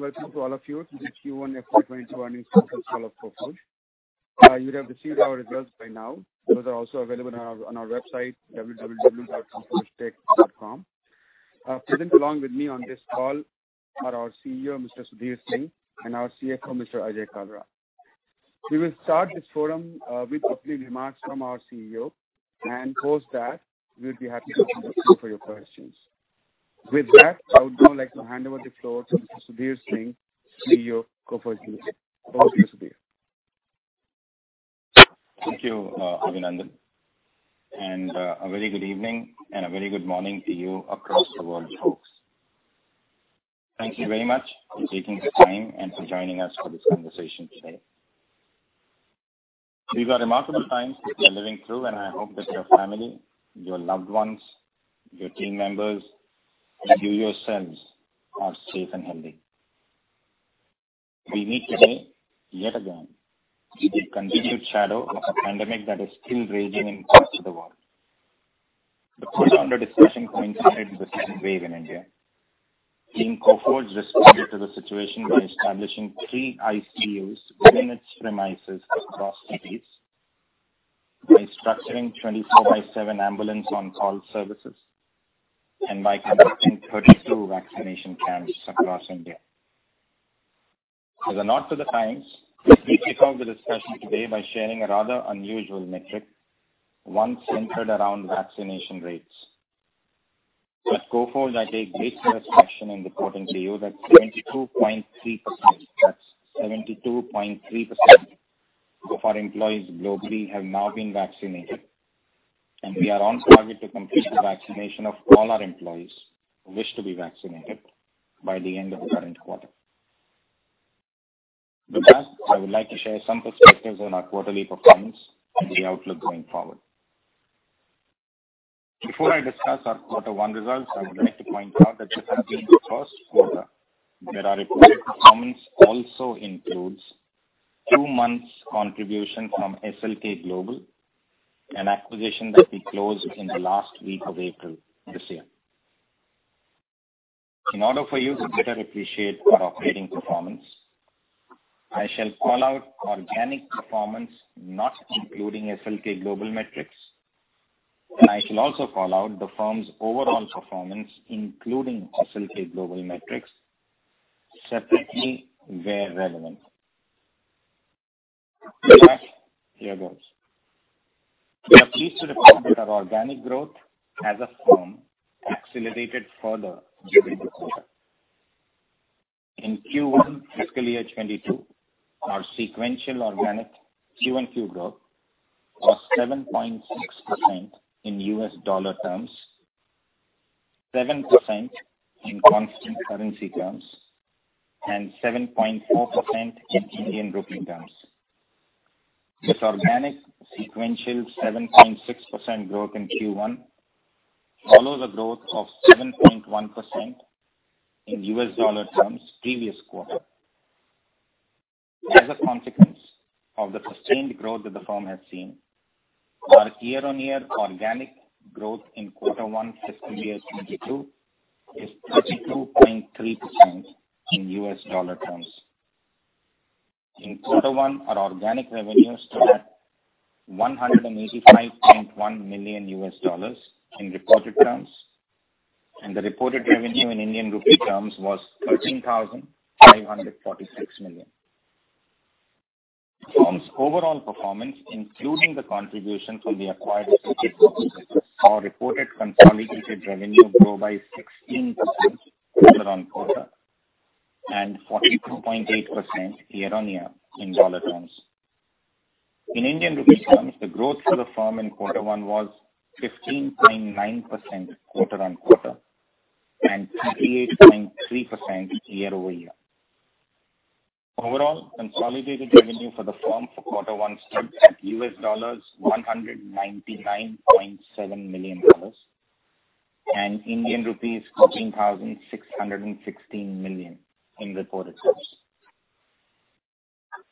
Welcome to all of you to the Q1 FY 2022 earnings conference call of Coforge. You would have received our results by now. Those are also available on our website, www.coforge.com. Present along with me on this call are our Chief Executive Officer, Mr. Sudhir Singh, and our Chief Financial Officer, Mr. Ajay Kalra. We will start this forum with opening remarks from our Chief Executive Officer. Post that, we would be happy to answer for your questions. With that, I would now like to hand over the floor to Mr. Sudhir Singh, Chief Executive Officer, Coforge Limited. Over to you, Sudhir. Thank you, Abhinandan. A very good evening and a very good morning to you across the world, folks. Thank you very much for taking this time and for joining us for this conversation today. These are remarkable times that we are living through, and I hope that your family, your loved ones, your team members, and you yourselves are safe and healthy. We meet today, yet again, with the continued shadow of a pandemic that is still raging in parts of the world. The quarter under discussion coincided with the Second Wave in India. Team Coforge responded to the situation by establishing three ICUs within its premises across cities, by structuring 24/7 ambulance-on-call services, and by conducting 32 vaccination camps across India. As a nod to the times, let me kick off the discussion today by sharing a rather unusual metric, one centered around vaccination rates. At Coforge, I take great satisfaction in reporting to you that 72.3%, that's 72.3%, of our employees globally have now been vaccinated, and we are on target to complete the vaccination of all our employees who wish to be vaccinated by the end of the current quarter. With that, I would like to share some perspectives on our quarterly performance and the outlook going forward. Before I discuss our quarter one results, I would like to point out that this has been the first quarter that our reported performance also includes two months contribution from SLK Global, an acquisition that we closed in the last week of April this year. In order for you to better appreciate our operating performance, I shall call out organic performance, not including SLK Global metrics, and I shall also call out the firm's overall performance, including SLK Global metrics, separately where relevant. With that, here goes. We are pleased to report that our organic growth as a firm accelerated further during this quarter. In Q1 FY 2022, our sequential organic QoQ growth was 7.6% in U.S dollar terms, 7% in constant currency terms, and 7.4% in Indian rupee terms. This organic sequential 7.6% growth in Q1 follows a growth of 7.1% in U.S dollar terms previous quarter. As a consequence of the sustained growth that the firm has seen, our year-on-year organic growth in quarter one FY 2022 is 32.3% in U.S dollar terms. In quarter one, our organic revenue stood at $185.1 million in reported terms and the reported revenue in Indian rupee terms was 13,546 million. The firm's overall performance, including the contribution from the acquired SLK Global, saw reported consolidated revenue grow by 16% quarter-on-quarter and 42.8% year-on-year in dollar terms. In Indian Rupee terms, the growth for the firm in quarter one was 15.9% quarter-on-quarter and 38.3% year-over-year. Overall, consolidated revenue for the firm for quarter one stood at $199.7 million and 13,616 million Indian rupee in reported terms.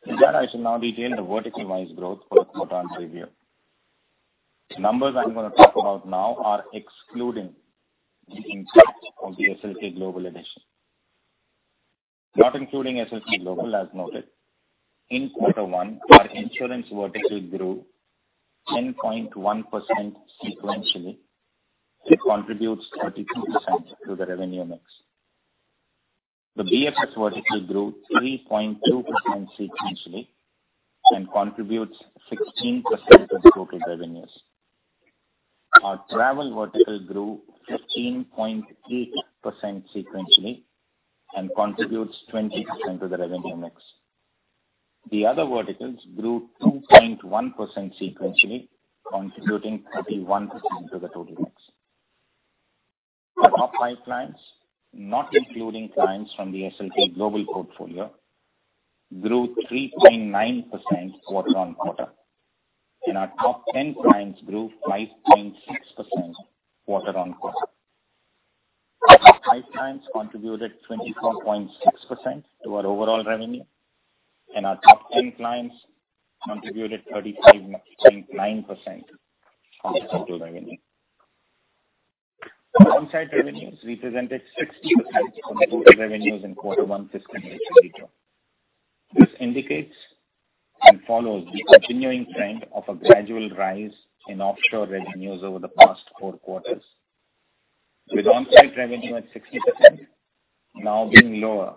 With that, I shall now detail the vertical-wise growth for the quarter under review. The numbers I'm going to talk about now are excluding the impact of the SLK Global addition. Not including SLK Global, as noted, in quarter one, our insurance vertical grew 10.1% sequentially. It contributes 32% to the revenue mix. The BFS vertical grew 3.2% sequentially and contributes 16% of total revenues. Our travel vertical grew 15.3% sequentially and contributes 20% to the revenue mix. The other verticals grew 2.1% sequentially, contributing 31% to the total mix. Our top five clients, not including clients from the SLK Global portfolio, grew 3.9% quarter-on-quarter, and our top 10 clients grew 5.6% quarter-on-quarter. Our top five clients contributed 24.6% to our overall revenue, and our top 10 clients contributed 35.9% of the total revenue. Onsite revenues represented 60% of the total revenues in quarter one, FY 2022. This indicates and follows the continuing trend of a gradual rise in offshore revenues over the past four quarters, with onsite revenue at 60% now being lower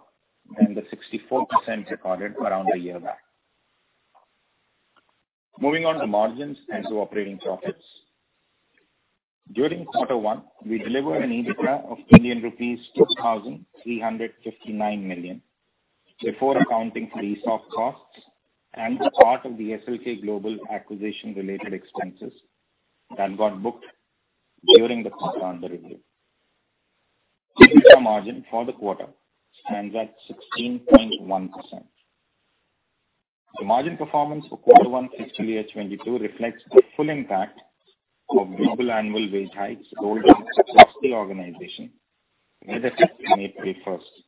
than the 64% recorded around a year back. Moving on to margins and to operating profits. During quarter one, we delivered an EBITDA of Indian rupees 2,359 million, before accounting for the ESOP costs and the part of the SLK Global acquisition-related expenses that got booked during the quarter under review. EBITDA margin for the quarter stands at 16.1%. The margin performance for quarter one, FY 2022 reflects the full impact of global annual wage hikes rolled out across the organization, with effect from April 1st.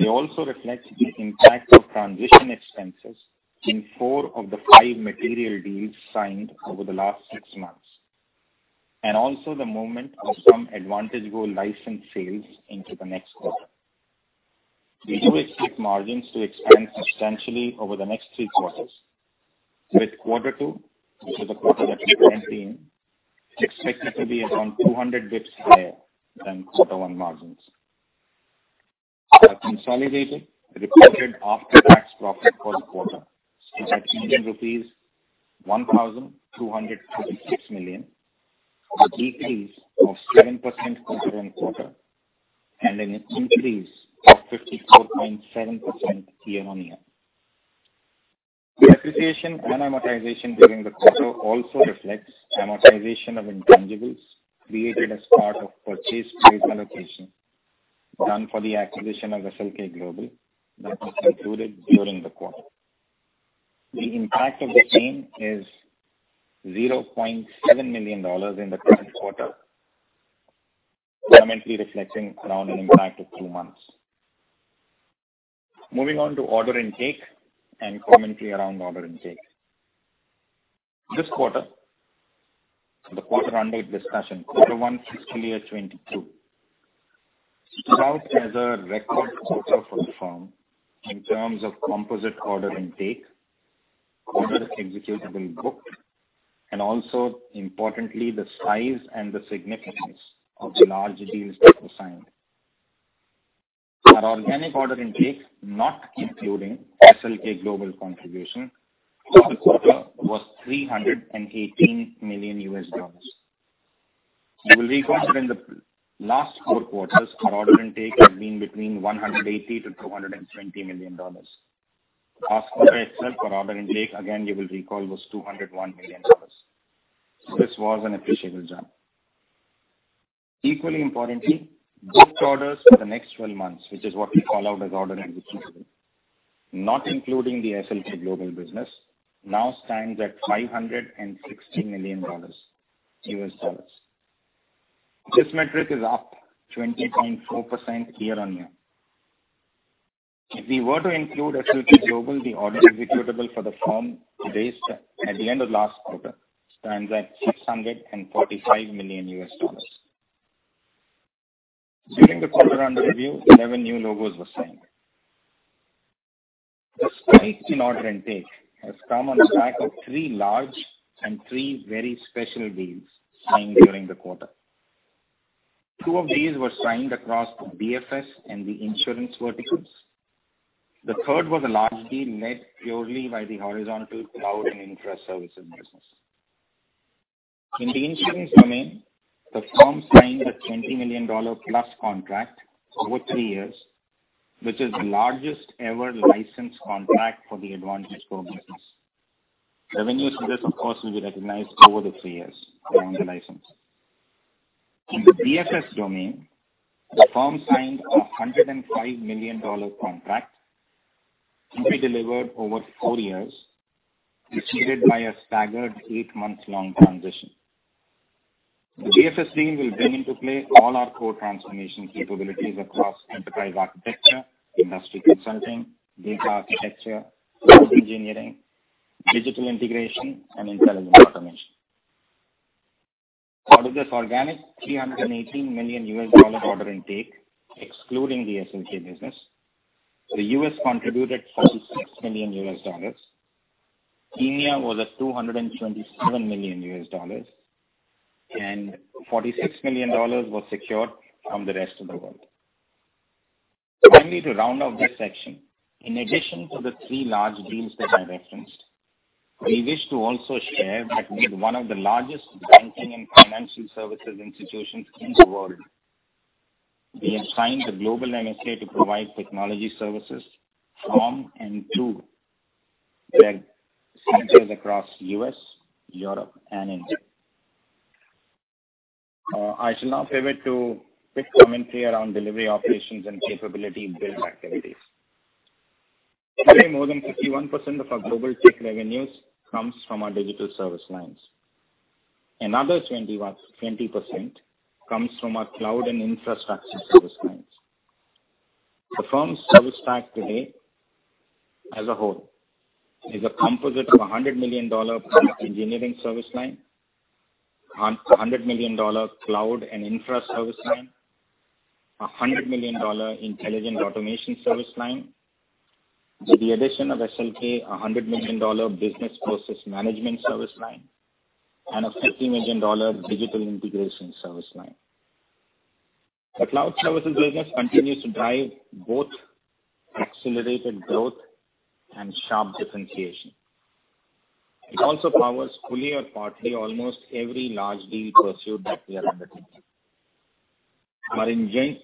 They also reflect the impact of transition expenses in four of the five material deals signed over the last six months, and also the movement of some AdvantageGo license sales into the next quarter. We do expect margins to expand substantially over the next three quarters, with quarter two, which is the quarter that we are currently in, expected to be around 200 basis points higher than quarter one margins. Our consolidated reported after-tax profit for the quarter is at Indian rupees 1,236 million, a decrease of 7% quarter-on-quarter, and an increase of 54.7% year-on-year. Depreciation and amortization during the quarter also reflects amortization of intangibles created as part of purchase price allocation done for the acquisition of SLK Global that was concluded during the quarter. The impact of the same is $0.7 million in the current quarter, permanently reflecting around an impact of three months. Moving on to order intake and commentary around order intake. This quarter, so the quarter under discussion, quarter one, fiscal year 2022, stood out as a record quarter for the firm in terms of composite order intake, orders executable booked, and also importantly, the size and the significance of the large deals that were signed. Our organic order intake, not including SLK Global contribution for the quarter, was $318 million. You will recall that in the last four quarters, our order intake has been between $180 million-$220 million. Last quarter itself, our order intake, again, you will recall, was $201 million. This was an appreciable jump. Equally importantly, booked orders for the next 12 months, which is what we call out as order executable, not including the SLK Global business, now stands at $560 million. This metric is up 20.4% year-on-year. If we were to include SLK Global, the orders executable for the firm based at the end of last quarter stands at $645 million. During the quarter under review, 11 new logos were signed. This spike in order intake has come on the back of three large and three very special deals signed during the quarter two of these were signed across the BFS and the insurance verticals. The third was a large deal led purely by the horizontal cloud and infra services business. In the insurance domain, the firm signed an INR 20 million+ contract over three years, which is the largest-ever license contract for the AdvantageGo business. Revenues for this, of course, will be recognized over the three years around the license. In the BFS domain, the firm signed an INR 105 million contract to be delivered over four years, preceded by a staggered eight-month-long transition. The BFS deal will bring into play all our core transformation capabilities across enterprise architecture, industry consulting, data architecture, cloud engineering, digital integration, and intelligent automation. Out of this organic INR 318 million order intake, excluding the SLK business, the U.S. contributed INR 46 million. EMEA was at INR 227 million. INR 46 million was secured from the rest of the world. Finally, to round off this section, in addition to the three large deals that I referenced, we wish to also share that with one of the largest banking and financial services institutions in the world, we have signed a global MSA to provide technology services from and to their centers across U.S., Europe, and India. I shall now pivot to quick commentary around delivery operations and capability build activities. Today, more than 51% of our global tech revenues comes from our digital service lines. Another 20% comes from our cloud and infrastructure service lines. The firm's service pack today, as a whole, is a composite of $100 million product engineering service line, $100 million cloud and infra service line, $100 million intelligent automation service line. With the addition of SLK, $100 million business process management service line, and a $50 million digital integration service line. The cloud services business continues to drive both accelerated growth and sharp differentiation. It also powers fully or partly almost every large deal pursued that we are undertaking.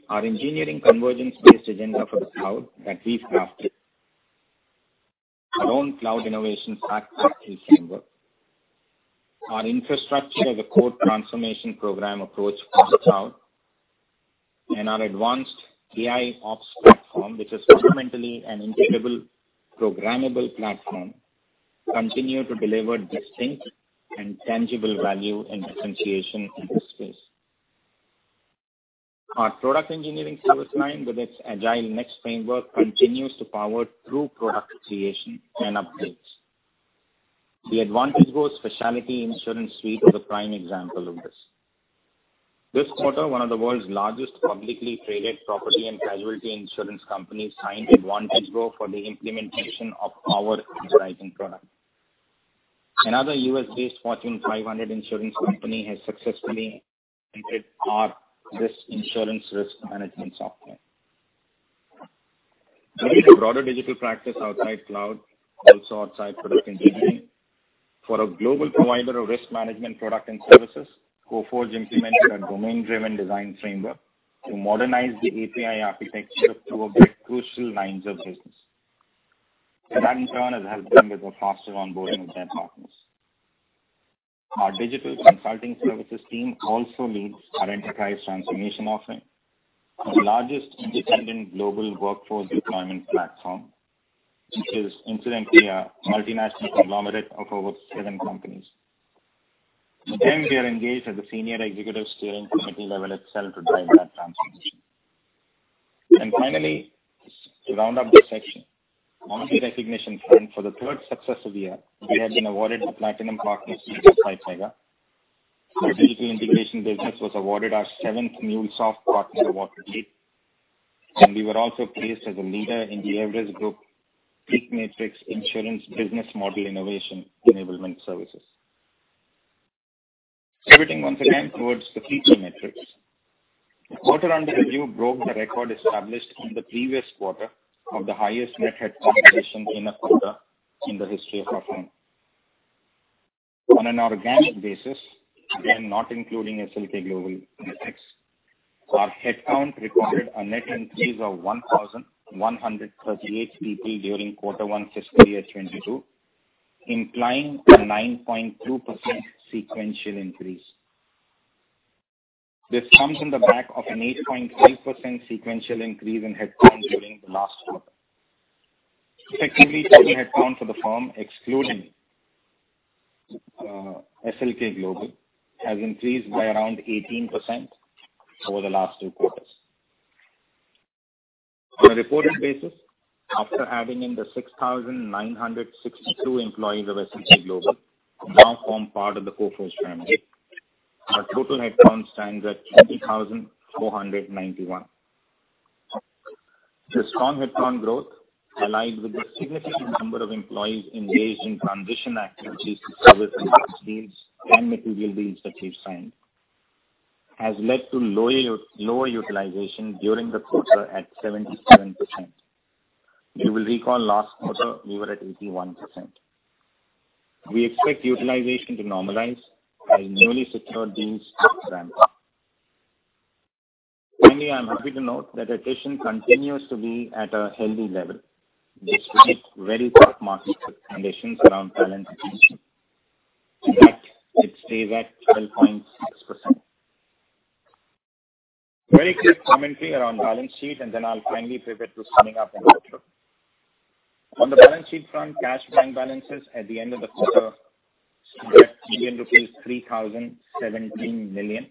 Our engineering convergence-based agenda for the cloud that we've crafted, our own cloud innovation stack framework, our infrastructure-as-a-core transformation program approach for cloud, and our advanced AIOps platform, which is fundamentally an integrated programmable platform, continue to deliver distinct and tangible value and differentiation in this space. Our product engineering service line with its Agile, next framework continues to power through product creation and updates. The AdvantageGo specialty insurance suite is a prime example of this. This quarter, one of the world's largest publicly traded property and casualty insurance companies signed AdvantageGo for the implementation of our underwriting product. Another U.S.-based Fortune 500 insurance company has successfully implemented our insurance risk management software. Within the broader digital practice outside cloud, also outside product engineering, for a global provider of risk management product and services, Coforge implemented a domain-driven design framework to modernize the API architecture to a bit crucial lines of business. That in turn has helped them with the faster onboarding of their partners. Our digital consulting services team also leads our enterprise transformation offering. The largest independent global workforce deployment platform, which is incidentally a multinational conglomerate of over seven companies. With them, we are engaged at the senior executive steering committee level itself to drive that transformation. Finally, to round up this section. On the recognition front, for the third successive year, we have been awarded the Platinum Partner status by Pega. Our digital integration business was awarded our seventh MuleSoft Partner Award today. We were also placed as a leader in The Everest Group PEAK Matrix Insurance Business Model Innovation Enablement Services. Pivoting once again towards the people metrics. The quarter under review broke the record established in the previous quarter of the highest net headcount addition in a quarter in the history of our firm. On an organic basis, again, not including SLK Global in the mix, our headcount recorded a net increase of 1,138 people during quarter one fiscal year 2022, implying a 9.2% sequential increase. This comes on the back of an 8.1% sequential increase in headcount during the last quarter. Effectively, total headcount for the firm, excluding SLK Global, has increased by around 18% over the last two quarters. On a reported basis, after adding in the 6,962 employees of SLK Global who now form part of the Coforge family, our total headcount stands at 20,491. The strong headcount growth, aligned with the significant number of employees engaged in transition activities to service and material deals that we've signed, has led to lower utilization during the quarter at 77%. You will recall last quarter we were at 81%. We expect utilization to normalize as newly secured deals ramp up. Finally, I'm happy to note that attrition continues to be at a healthy level despite very tough market conditions around talent acquisition. To that, it stays at 12.6%. Very quick commentary around balance sheet, and then I'll finally pivot to summing up on the outlook. On the balance sheet front, cash bank balances at the end of the quarter stood at 3,017 million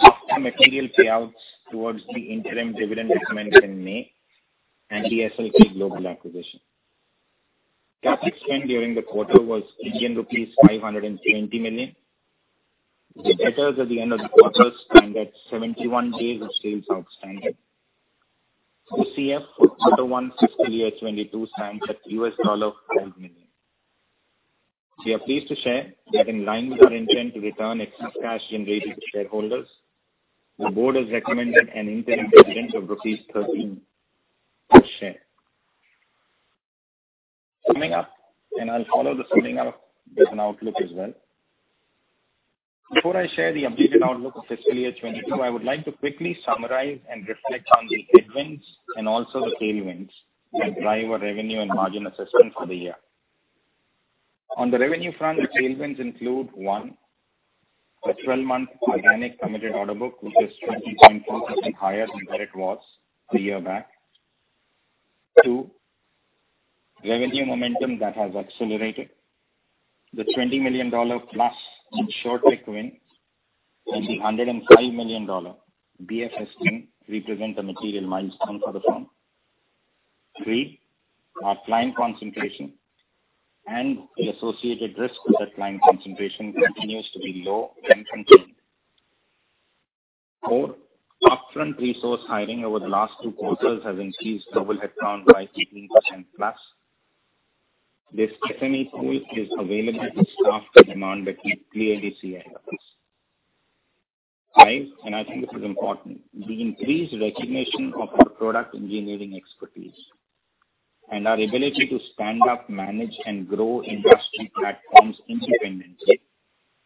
after material payouts towards the interim dividend recommended in May and the SLK Global acquisition. Cash expense during the quarter was Indian rupees 520 million. The debtors at the end of the quarter stand at 71 days of sales outstanding. FCF for quarter one fiscal year 2022 stands at $5 million. We are pleased to share that in line with our intent to return excess cash generated to shareholders, the board has recommended an interim dividend of rupees 13 per share. Summing up, and I'll follow the summing up with an outlook as well. Before I share the updated outlook of fiscal year 2022, I would like to quickly summarize and reflect on the headwinds and also the tailwinds that drive our revenue and margin assessment for the year. On the revenue front, the tailwinds include, one, a 12-month organic committed order book, which is 20.2% higher than where it was a year back, two, revenue momentum that has accelerated. The $20 million+ in Insurtech wins and the $105 million BFS win represent a material milestone for the firm. three, our client concentration and the associated risk with that client concentration continues to be low and contained. four, upfront resource hiring over the last two quarters has increased global headcount by 15%+. This SME pool is available to staff the demand that we clearly see ahead of us. five, and I think this is important. The increased recognition of our product engineering expertise and our ability to stand up, manage, and grow industry platforms independently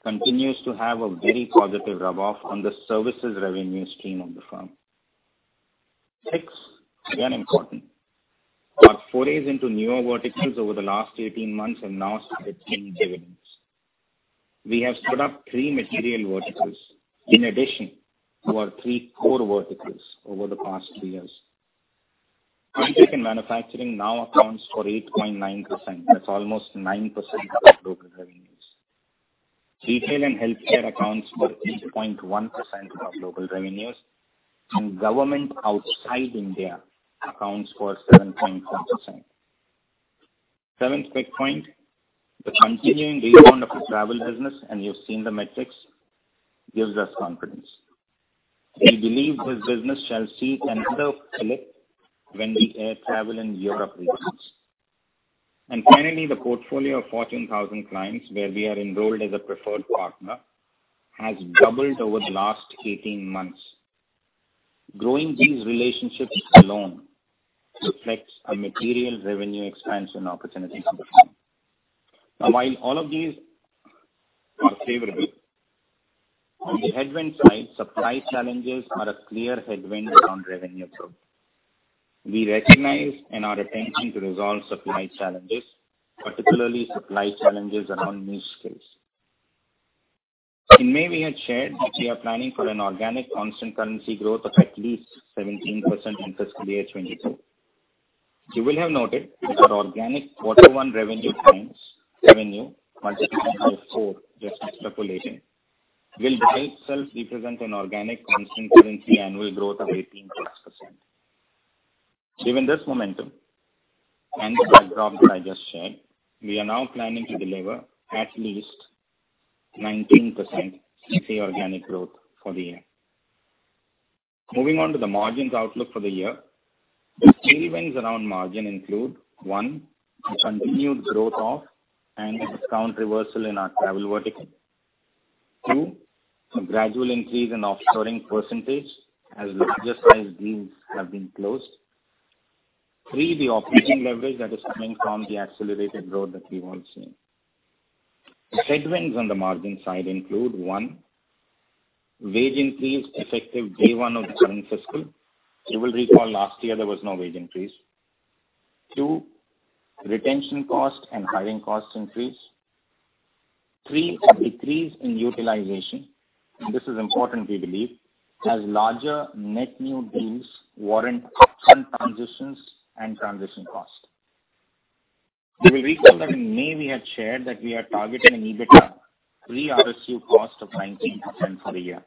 continues to have a very positive rub-off on the services revenue stream of the firm. six, again important. Our forays into newer verticals over the last 18 months have now started paying dividends. We have stood up three material verticals in addition to our three core verticals over the past three years. Digital and manufacturing now accounts for 8.9%. That's almost 9% of global revenues. Retail and healthcare accounts for 3.1% of global revenues, and government outside India accounts for 7.4%. 7th big point, the continuing rebound of the travel business, and you've seen the metrics, gives us confidence. We believe this business shall see another flip when the air travel in Europe resumes. Finally, the portfolio of 14,000 clients, where we are enrolled as a preferred partner, has doubled over the last 18 months. Growing these relationships alone reflects a material revenue expansion opportunity for the firm. While all of these are favorable, on the headwind side, supply challenges are a clear headwind on revenue growth. We recognize and are attending to resolve supply challenges, particularly supply challenges around niche skills. In May, we had shared that we are planning for an organic constant currency growth of at least 17% in fiscal year 2022. You will have noted that our organic quarter one revenue multiples of four, just extrapolating, will by itself represent an organic constant currency annual growth of 18+%. Given this momentum and the backdrop that I just shared, we are now planning to deliver at least 19% CC organic growth for the year. Moving on to the margins outlook for the year. The tailwinds around margin include, one, the continued growth-off and discount reversal in our travel vertical. two, a gradual increase in offshoring percentage as larger size deals have been closed. three, the operating leverage that is coming from the accelerated growth that we all see. The headwinds on the margin side include, one, wage increase effective day one of the current fiscal. You will recall last year there was no wage increase. two, retention cost and hiring cost increase. three, a decrease in utilization, and this is important we believe, as larger net new deals warrant upfront transitions and transition costs. You will recall that in May we had shared that we are targeting an EBITDA pre-RSU cost of 19% for the year.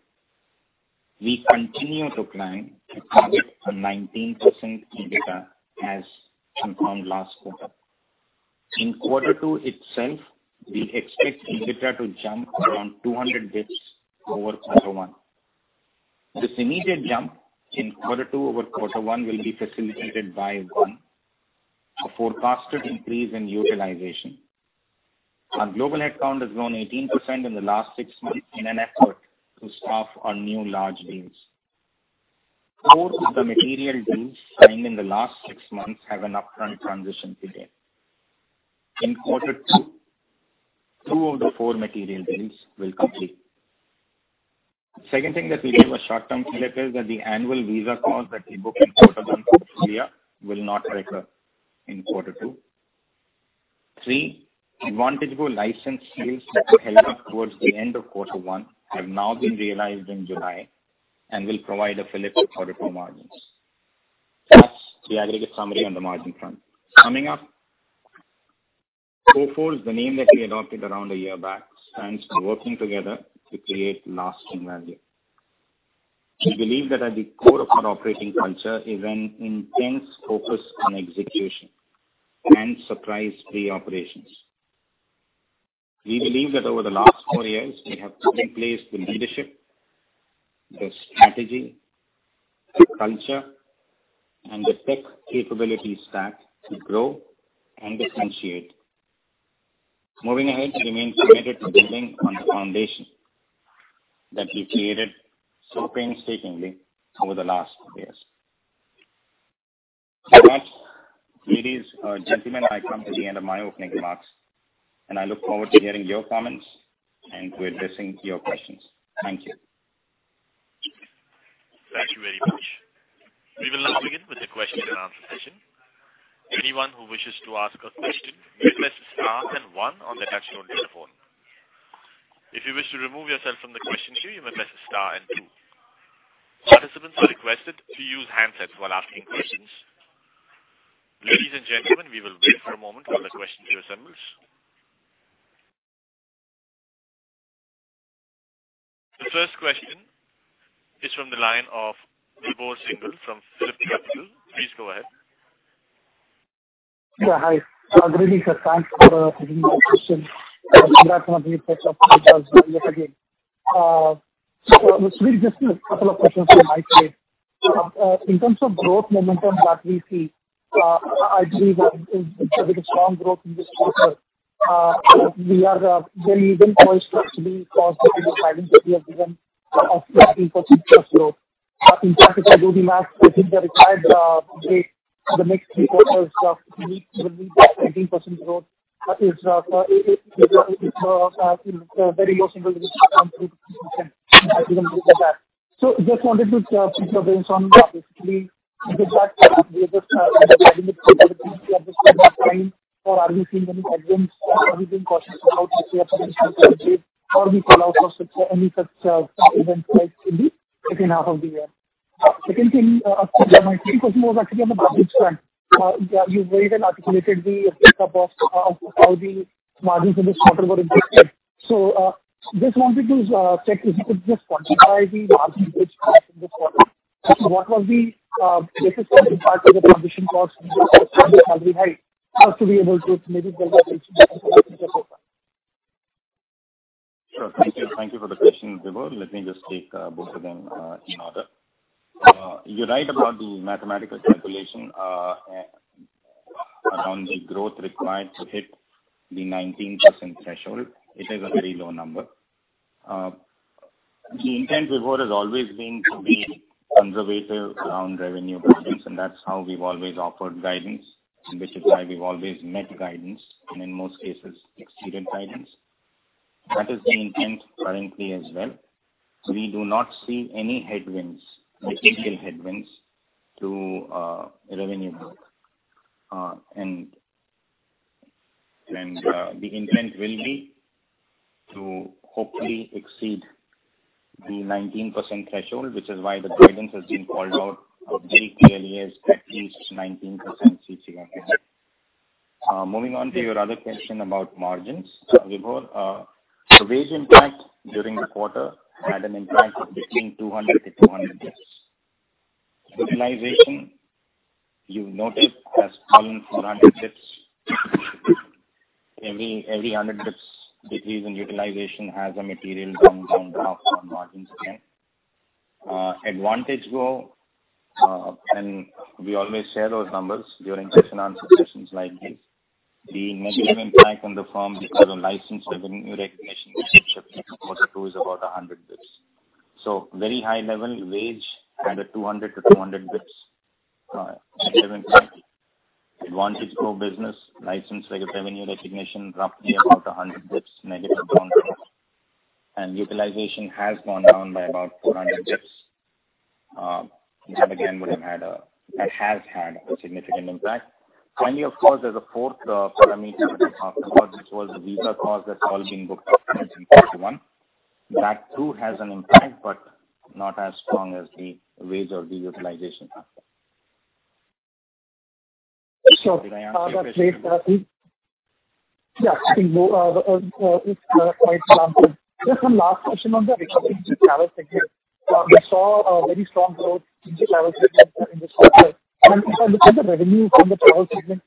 We continue to plan to target a 19% EBITDA as confirmed last quarter. In quarter two itself, we expect EBITDA to jump around 200 basis points over quarter one. This immediate jump in quarter two over quarter one will be facilitated by, one, a forecasted increase in utilization. Our global headcount has grown 18% in the last six months in an effort to staff our new large deals. Four of the material deals signed in the last six months have an upfront transition period. In quarter two, two of the four material deals will complete. Second thing that we gave a short-term fillip is that the annual visa costs that we booked in quarter one this year will not recur in quarter two. Three, AdvantageGo license deals that were held up towards the end of quarter one have now been realized in July and will provide a fillip to quarter two margins. That's the aggregate summary on the margin front. Summing up. Coforge, the name that we adopted around a year back, stands for working together to create lasting value. We believe that at the core of our operating culture is an intense focus on execution and surprise-free operations. We believe that over the last four years, we have put in place the leadership, the strategy, the culture, and the tech capability stack to grow and differentiate. Moving ahead, we remain committed to building on the foundation that we created so painstakingly over the last few years. With that, ladies, gentlemen, I come to the end of my opening remarks, and I look forward to hearing your comments and to addressing your questions. Thank you. Thank you very much. We will now begin with the question and answer session. Anyone who wishes to ask a question, you may press star then one on the touchtone telephone. If you wish to remove yourself from the question queue, you may press star and two. To use handsets while asking questions. Ladies and gentlemen, we will wait for a moment while the question assembles. The first question is from the line of Vibhor Singhal from PhillipCapital. Please go ahead. Hi. Good evening, sir. Thanks for taking our question. two questions from my side. In terms of growth momentum that we see, I agree that it's a bit of strong growth in this quarter. We are very well poised to actually cross the guidance that we have given of 18%+ growth. If I do the math, I think the required rate for the next three quarters of unique will be 18% growth. It's very reasonable. Just wanted to check your brains on that, basically, is it that we are just underestimating capabilities we have this time, or are we seeing any headwinds that we've been cautious about this year from a strategic or we call out for any such events like in the second half of the year. Second thing, my third question was actually on the margins front. You very well articulated the breakup of how the margins in this quarter were impacted. Just wanted to check if you could just quantify the margin impact in this quarter? What was the biggest impact of the transition costs to be able to maybe build a bridge this quarter? Sure. Thank you for the question, Vibhor. Let me just take both of them in order. You're right about the mathematical calculation around the growth required to hit the 19% threshold. It is a very low number. The intent before has always been to be conservative around revenue guidance, and that's how we've always offered guidance, which is why we've always met guidance and in most cases exceeded guidance. That is the intent currently as well. We do not see any headwinds, material headwinds to revenue growth. The intent will be to hopefully exceed the 19% threshold, which is why the guidance has been called out very clearly as at least 19% CC growth. Moving on to your other question about margins, Vibhor. Wage impact during the quarter had an impact of between 200 to 200 basis points. Utilization, you've noted, has fallen 400 basis points. Every 100 basis points decrease in utilization has a material down drop on margins again. AdvantageGo, we always share those numbers during question answer sessions like this. The negative impact on the firm because of licensed revenue recognition shift in quarter two is about 100 basis points. Very high level wage under 200 to 200 basis points negative impact. AdvantageGo business licensed revenue recognition, roughly about 100 basis points negative down drop. Utilization has gone down by about 400 basis points. That has had a significant impact. Finally, of course, there's a fourth parameter to talk about, which was the visa cost that's all been booked in Q1. That too has an impact, but not as strong as the wage or the utilization aspect. Did I answer your question? Yeah. I think quite well covered. Just one last question on the recovery in the travel segment. We saw a very strong growth in the travel segment in this quarter. If you look at the revenue from the travel segment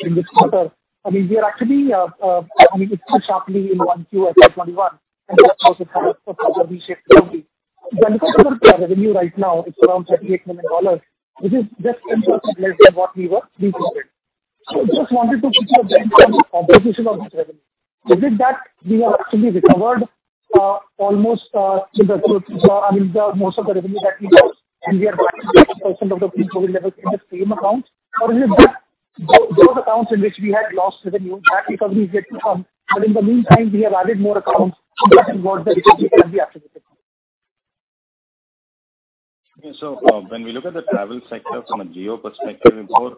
in this quarter, it fell sharply in 1Q FY 2021 and that was because of the shape of the pandemic. When you look at the revenue right now, it's around $38 million, which is just 10% less than what we were pre-COVID. Just wanted to get your take on the composition of this revenue. Is it that we have actually recovered most of the revenue that we lost, and we are back to 10% of the pre-COVID levels in the same accounts? Is it that those accounts in which we had lost revenue, that recovery is yet to come, but in the meantime, we have added more accounts which have got the business we have acquired with them? Okay. When we look at the travel sector from a geo perspective report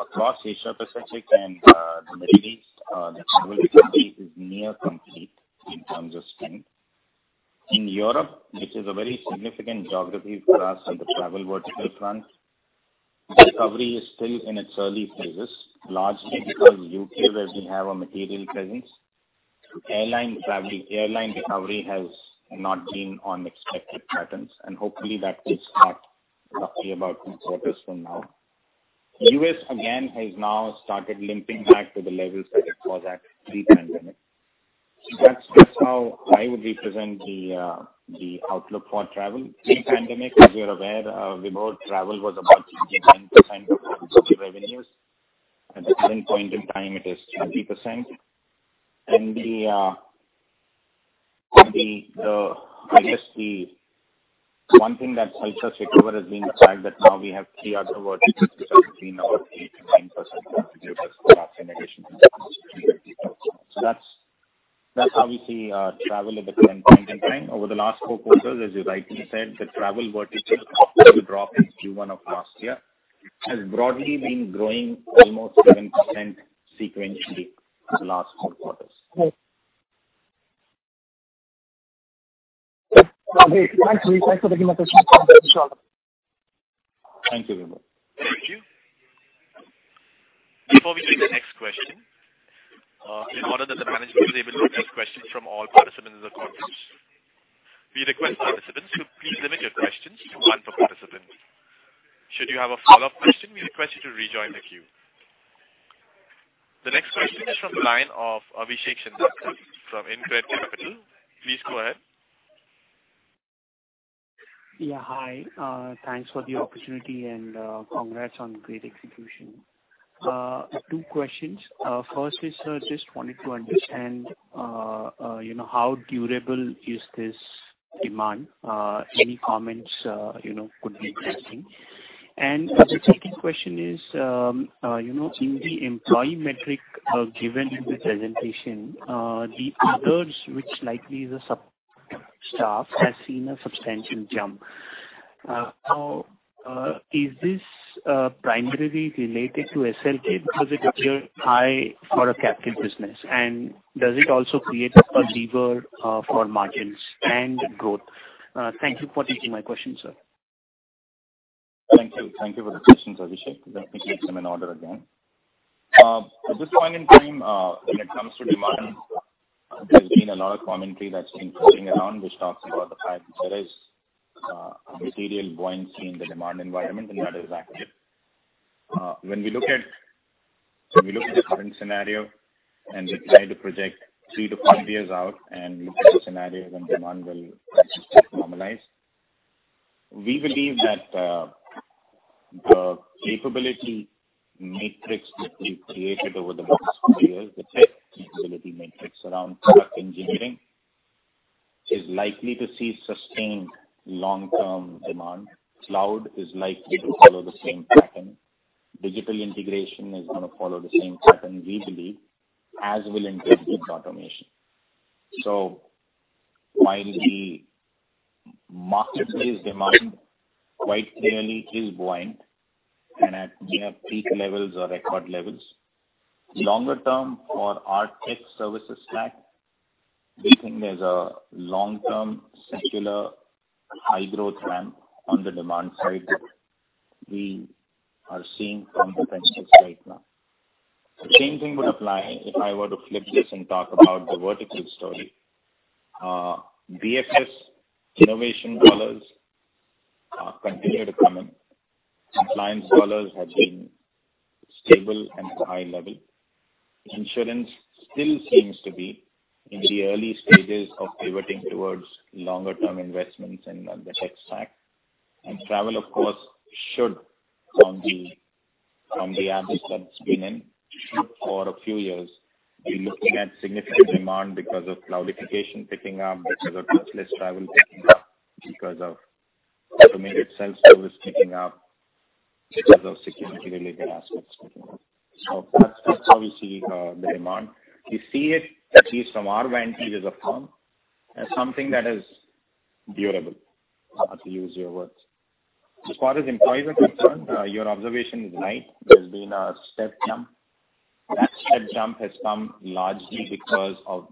across Asia-Pacific and the Middle East, the travel recovery is near complete in terms of spend. In Europe, which is a very significant geography for us on the travel vertical front, recovery is still in its early phases, largely because U.K., where we have a material presence, airline recovery has not been on expected patterns, and hopefully that will start roughly about mid-August from now. U.S. again has now started limping back to the levels that it was at pre-pandemic. That's how I would represent the outlook for travel. Pre-pandemic, as you're aware, Vibhor, travel was about 59% of Coforge revenues. At the current point in time, it is 30%. The highest, the one thing that's helped us recover has been the fact that now we have three other verticals which are between 8%-9% contributors to our generation business. That's how we see travel at the current point in time. Over the last four quarters, as you rightly said, the travel vertical after the drop in Q1 of last year, has broadly been growing almost 7% sequentially for the last four quarters. Great. Okay, thank you. Thanks for the presentation. Thank you very much. Thank you. Before we take the next question, in order that the management is able to address questions from all participants in the conference, we request participants to please limit your questions to one per participant. Should you have a follow-up question, we request you to rejoin the queue. The next question is from the line of Abhishek Shindadkar from InCred Capital. Please go ahead. Yeah, hi. Thanks for the opportunity and congrats on great execution. two questions. Firstly, sir, just wanted to understand how durable is this demand? Any comments could be interesting. The second question is, in the employee metric given in the presentation, the others which likely the sub-staff has seen a substantial jump. Is this primarily related to SLK? Does it appear high for a captive business? Does it also create a lever for margins and growth? Thank you for taking my question, Sir. Thank you. Thank you for the questions, Abhishek. Let me take them in order again. At this point in time, when it comes to demand, there has been a lot of commentary that has been floating around, which talks about the fact that there is a material buoyancy in the demand environment, and that is accurate. When we look at the current scenario and we try to project three to five years out and look at a scenario when demand will start to normalize, we believe that the capability matrix that we have created over the last few years, the tech capability matrix around product engineering, is likely to see sustained long-term demand. Cloud is likely to follow the same pattern. Digital integration is going to follow the same pattern, we believe, as will integrated automation. While the marketplace demand quite clearly is buoyant and at near-peak levels or record levels, longer term for our tech services stack, we think there's a long-term secular high-growth trend on the demand side that we are seeing from the right now. The same thing would apply if I were to flip this and talk about the vertical story. BFSI innovation dollars continue to come in, and clients' dollars have been stable and at a high level. Insurance still seems to be in the early stages of pivoting towards longer-term investments in the tech stack. Travel, of course, should from the abyss that it's been in for a few years, be looking at significant demand because of cloudification picking up, because of touchless travel picking up, because of automated self-service picking up, because of security-related aspects picking up. That's how we see the demand. We see it, at least from our vantage as a firm, as something that is durable, not to use your words. As far as employees are concerned, your observation is right. There's been a step jump. That step jump has come largely because of,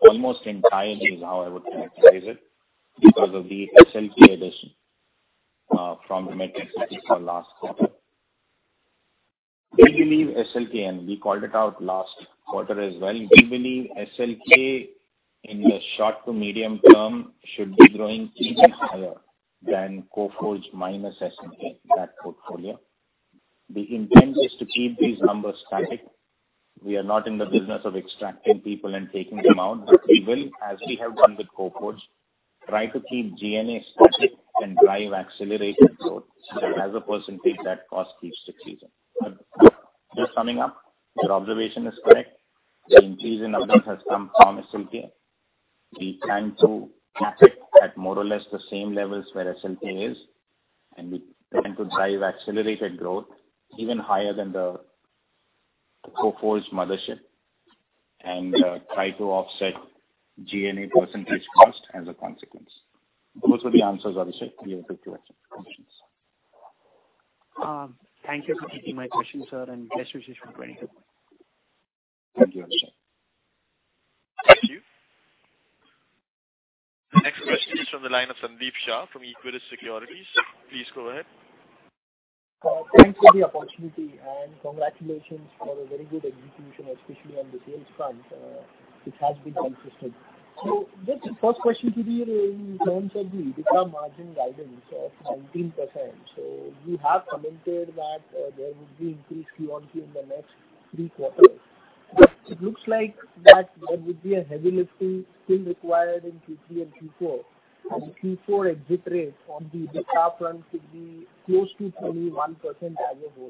almost entirely is how I would characterize it, because of the SLK addition from the metrics that you saw last quarter. We believe SLK, and we called it out last quarter as well. We believe SLK in the short to medium term should be growing even higher than Coforge minus SLK, that portfolio. The intent is to keep these numbers static. We are not in the business of extracting people and taking them out. We will, as we have done with Coforge, try to keep G&A static and drive accelerated growth. As a percentage, that cost keeps decreasing. Just summing up, your observation is correct. The increase in numbers has come from SLK. We plan to cap it at more or less the same levels where SLK is, and we plan to drive accelerated growth even higher than the Coforge mothership and try to offset G&A percentage cost as a consequence. Those are the answers, Abhishek, related to your questions. Thank you for taking my question, sir, and best wishes for a very good one. Thank you, Abhishek. Thank you. The next question is from the line of Sandeep Shah from Equirus Securities. Please go ahead. Thanks for the opportunity and congratulations for a very good execution, especially on the sales front. It has been consistent. Just first question to you in terms of the EBITDA margin guidance of 19%. You have commented that there would be increase QoQ in the next three quarters. It looks like that there would be a heavy lifting still required in Q3 and Q4, and Q4 exit rates on the EBITDA front could be close to 21% as a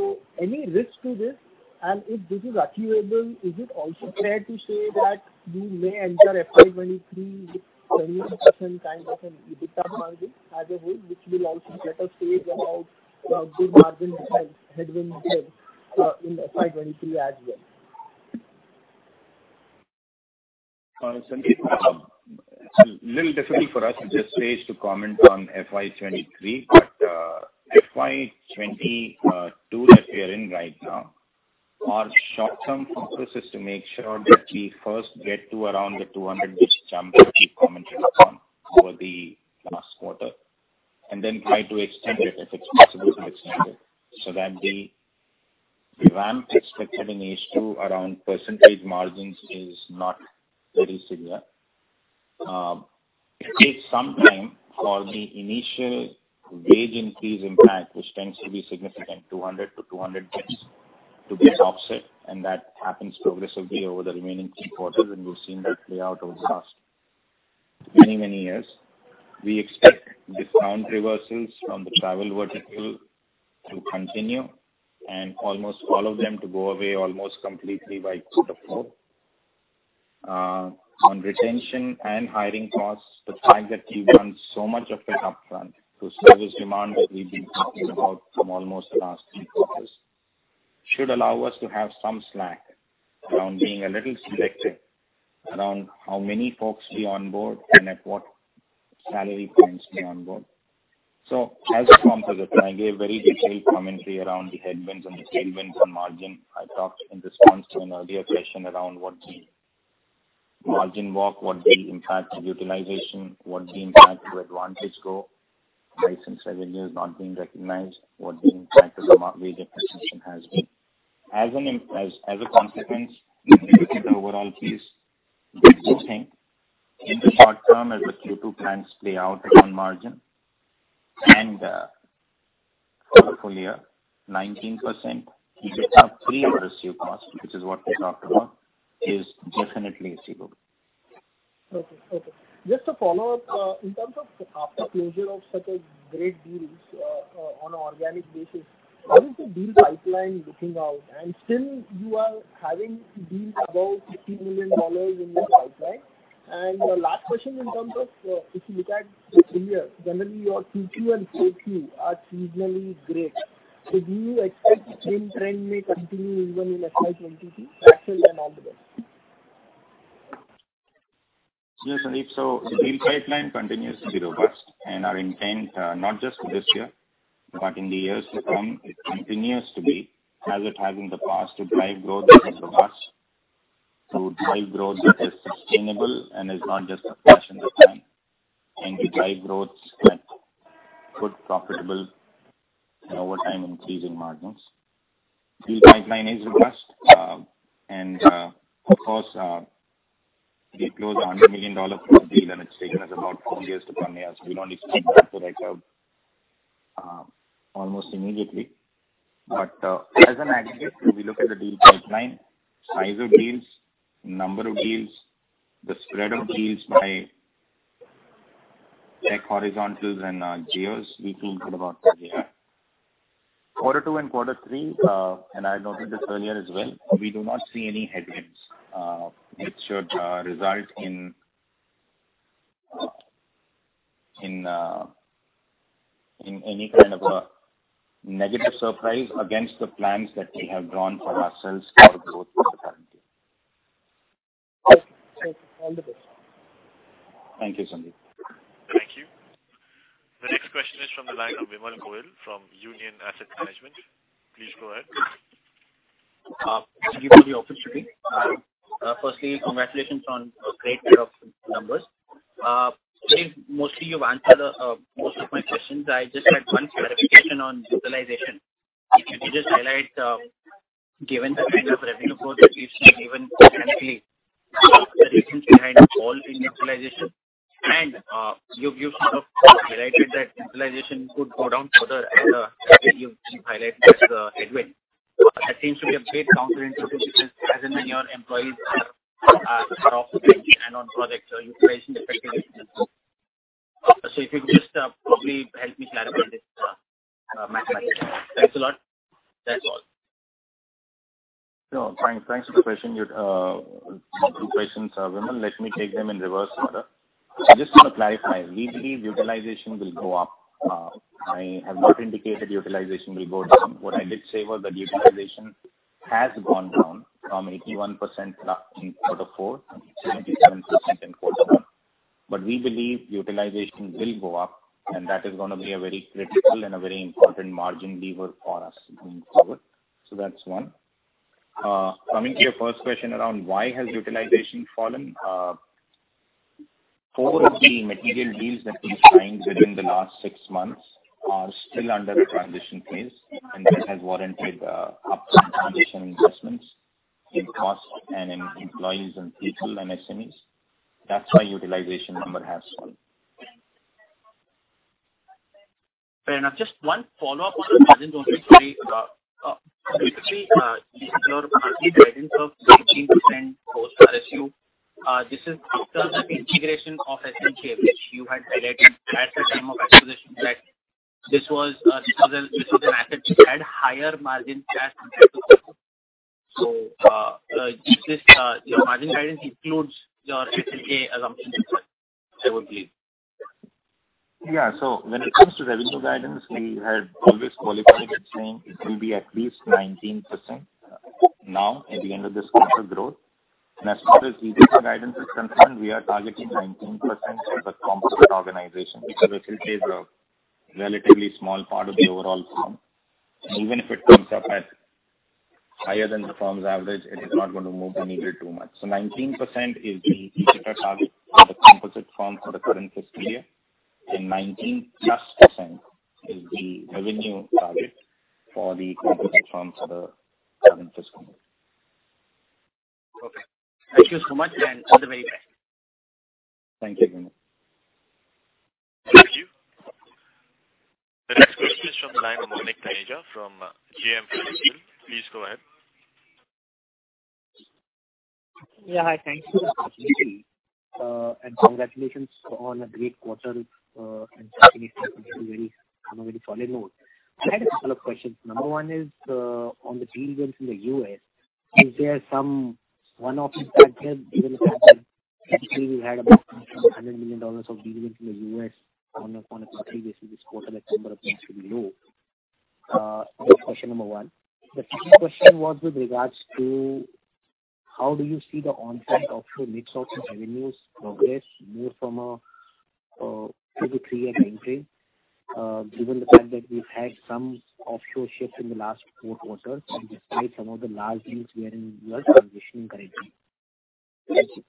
whole. Any risk to this? If this is achievable, is it also fair to say that you may enter FY 2023 with 20% kind of an EBITDA margin as a whole, which will also let us say about the margin headwinds then in FY 2023 as well? A little difficult for us at this stage to comment on FY 2023. FY 2022 that we are in right now, our short-term focus is to make sure that we first get to around the $200 million jump that we commented on over the last quarter, then try to extend it if it's possible to extend it, so that the ramp expected in H2 around percentage margins is not very severe. It takes some time for the initial wage increase impact, which tends to be significant, 200-200 basis points to get offset, that happens progressively over the remaining three quarters, we've seen that play out over the last many, many years. We expect discount reversals from the travel vertical to continue, almost all of them to go away almost completely by quarter four. On retention and hiring costs, the fact that we've done so much of it upfront to service demand that we've been talking about from almost the three quarters should allow us to have some slack around being a little selective around how many folks we onboard and at what salary points we onboard. As a consequence, I gave very detailed commentary around the headwinds and the tailwinds on margin. I talked in response to an earlier question around what the margin walk, what the impact of utilization, what the impact of AdvantageGo, license revenue not being recognized, what the impact of the market wage appreciation has been. As a consequence, the aggregate overall piece will tick in the short term as the Q2 plans play out on margin. For a full year, 19% EBITDA pre-RSU cost, which is what we talked about, is definitely achievable. Okay. Just a follow-up. In terms of after closure of such great deals on an organic basis, how is the deal pipeline looking out? Still you are having deals above $50 million in this pipeline. The last question in terms of if you look at the full year, generally your Q2 and Q4 are seasonally great. Do you expect the same trend may continue even in FY 2023? That's all. All the best. Yes, Sandeep. So the deal pipeline continues to be robust and our intent, not just this year, but in the years to come, it continues to be, as it has in the past, to drive growth that is robust, to drive growth that is sustainable and is not just a flash in the pan, and to drive growth that could profitable and over time increasing margins. Deal pipeline is robust. Of course, we close $100 million worth of deals and it's taken us about four years to plan that, so we don't expect that to echo almost immediately. But as an aggregate, we look at the deal pipeline, size of deals, number of deals, the spread of deals by tech horizontals and geos, we feel good about where we are. Quarter two and quarter three, I noted this earlier as well, we do not see any headwinds which should result in any kind of a negative surprise against the plans that we have drawn for ourselves for our growth for the current year. Okay. Thank you. All the best. Thank you, Sandeep. Thank you. The next question is from the line of Vimal Gohil from Union Asset Management. Please go ahead. Thank you for the opportunity. Firstly, congratulations on a great set of numbers. I believe mostly you've answered most of my questions. I just had one clarification on utilization. If you could just highlight, given the kind of revenue growth that you've seen even recently, the reasons behind the fall in utilization. You've sort of highlighted that utilization could go down further as you've highlighted the headwind. That seems to be a bit counterintuitive because as and when your employees are off the bench and on projects, utilization effectively should improve. If you could just probably help me clarify this mathematically. Thanks a lot. That's all. No, thanks for the question, two questions, Vimal. Let me take them in reverse order. Just to clarify, we believe utilization will go up. I have not indicated utilization will go down. What I did say was that utilization has gone down from 81% in quarter four to 77% in quarter one. We believe utilization will go up, and that is going to be a very critical and a very important margin lever for us going forward. That's one. Coming to your first question around why has utilization fallen, four of the material deals that we signed within the last six months are still under transition phase, and that has warranted some transition investments in costs and in employees and people and SMEs. That's why utilization number has fallen. Fair enough. Just one follow-up on the margin, though, quickly. Your margin guidance of 18% post-RSU, this is after the integration of SLK, which you had highlighted at the time of acquisition that this was an asset which had higher margin characteristics. Your margin guidance includes your SLK assumption as well, I would believe? When it comes to revenue guidance, we had always qualified it saying it will be at least 19%. At the end of this quarter growth, and as far as EBITDA guidance is concerned, we are targeting 19% for the composite organization, because it is a relatively small part of the overall firm. Even if it comes up as higher than the firm's average, it is not going to move the needle too much. 19% is the EBITDA target for the composite firm for the current fiscal year, and 19%+ is the revenue target for the composite firm for the current fiscal year. Okay. Thank you so much, and all the very best. Thank you. Thank you. The next question is from the line of Manik Taneja from JM Financial. Please go ahead. Hi. Thank you. Congratulations on a great quarter and starting a very solid note. I had a couple of questions. Number one is, on the deal wins in the U.S., is there some one-off impact there, given the fact that actually we had about $100 million of deal wins in the U.S. on a quarter previously. This quarter that number appears to be low. That's question number one. The second question was with regards to how do you see the on-site offshore mix of revenues progress more from a two to three year timeframe, given the fact that we've had some offshore shifts in the last four quarters and despite some of the large wins we are transitioning currently. Thank you.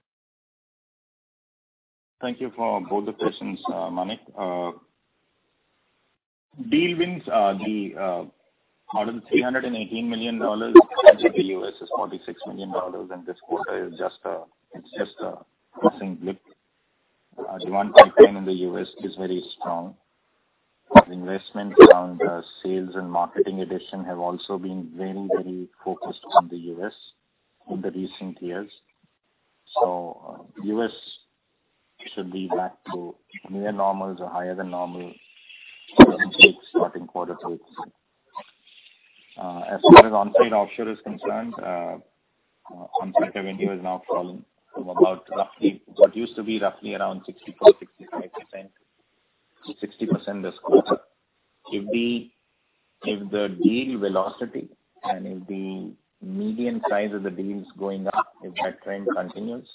Thank you for both the questions, Manik. Deal wins, out of the $318 million, the U.S. is $46 million and this quarter it's just a passing blip. The demand pipeline in the U.S. is very strong. The investment around sales and marketing addition have also been very focused on the U.S. in the recent years. U.S. should be back to near normal to higher than normal run rate starting quarter three. As far as on-site offshore is concerned, on-site revenue is now falling from what used to be roughly around 64%-65%, to 60% this quarter. If the deal velocity and if the median size of the deals going up, if that trend continues,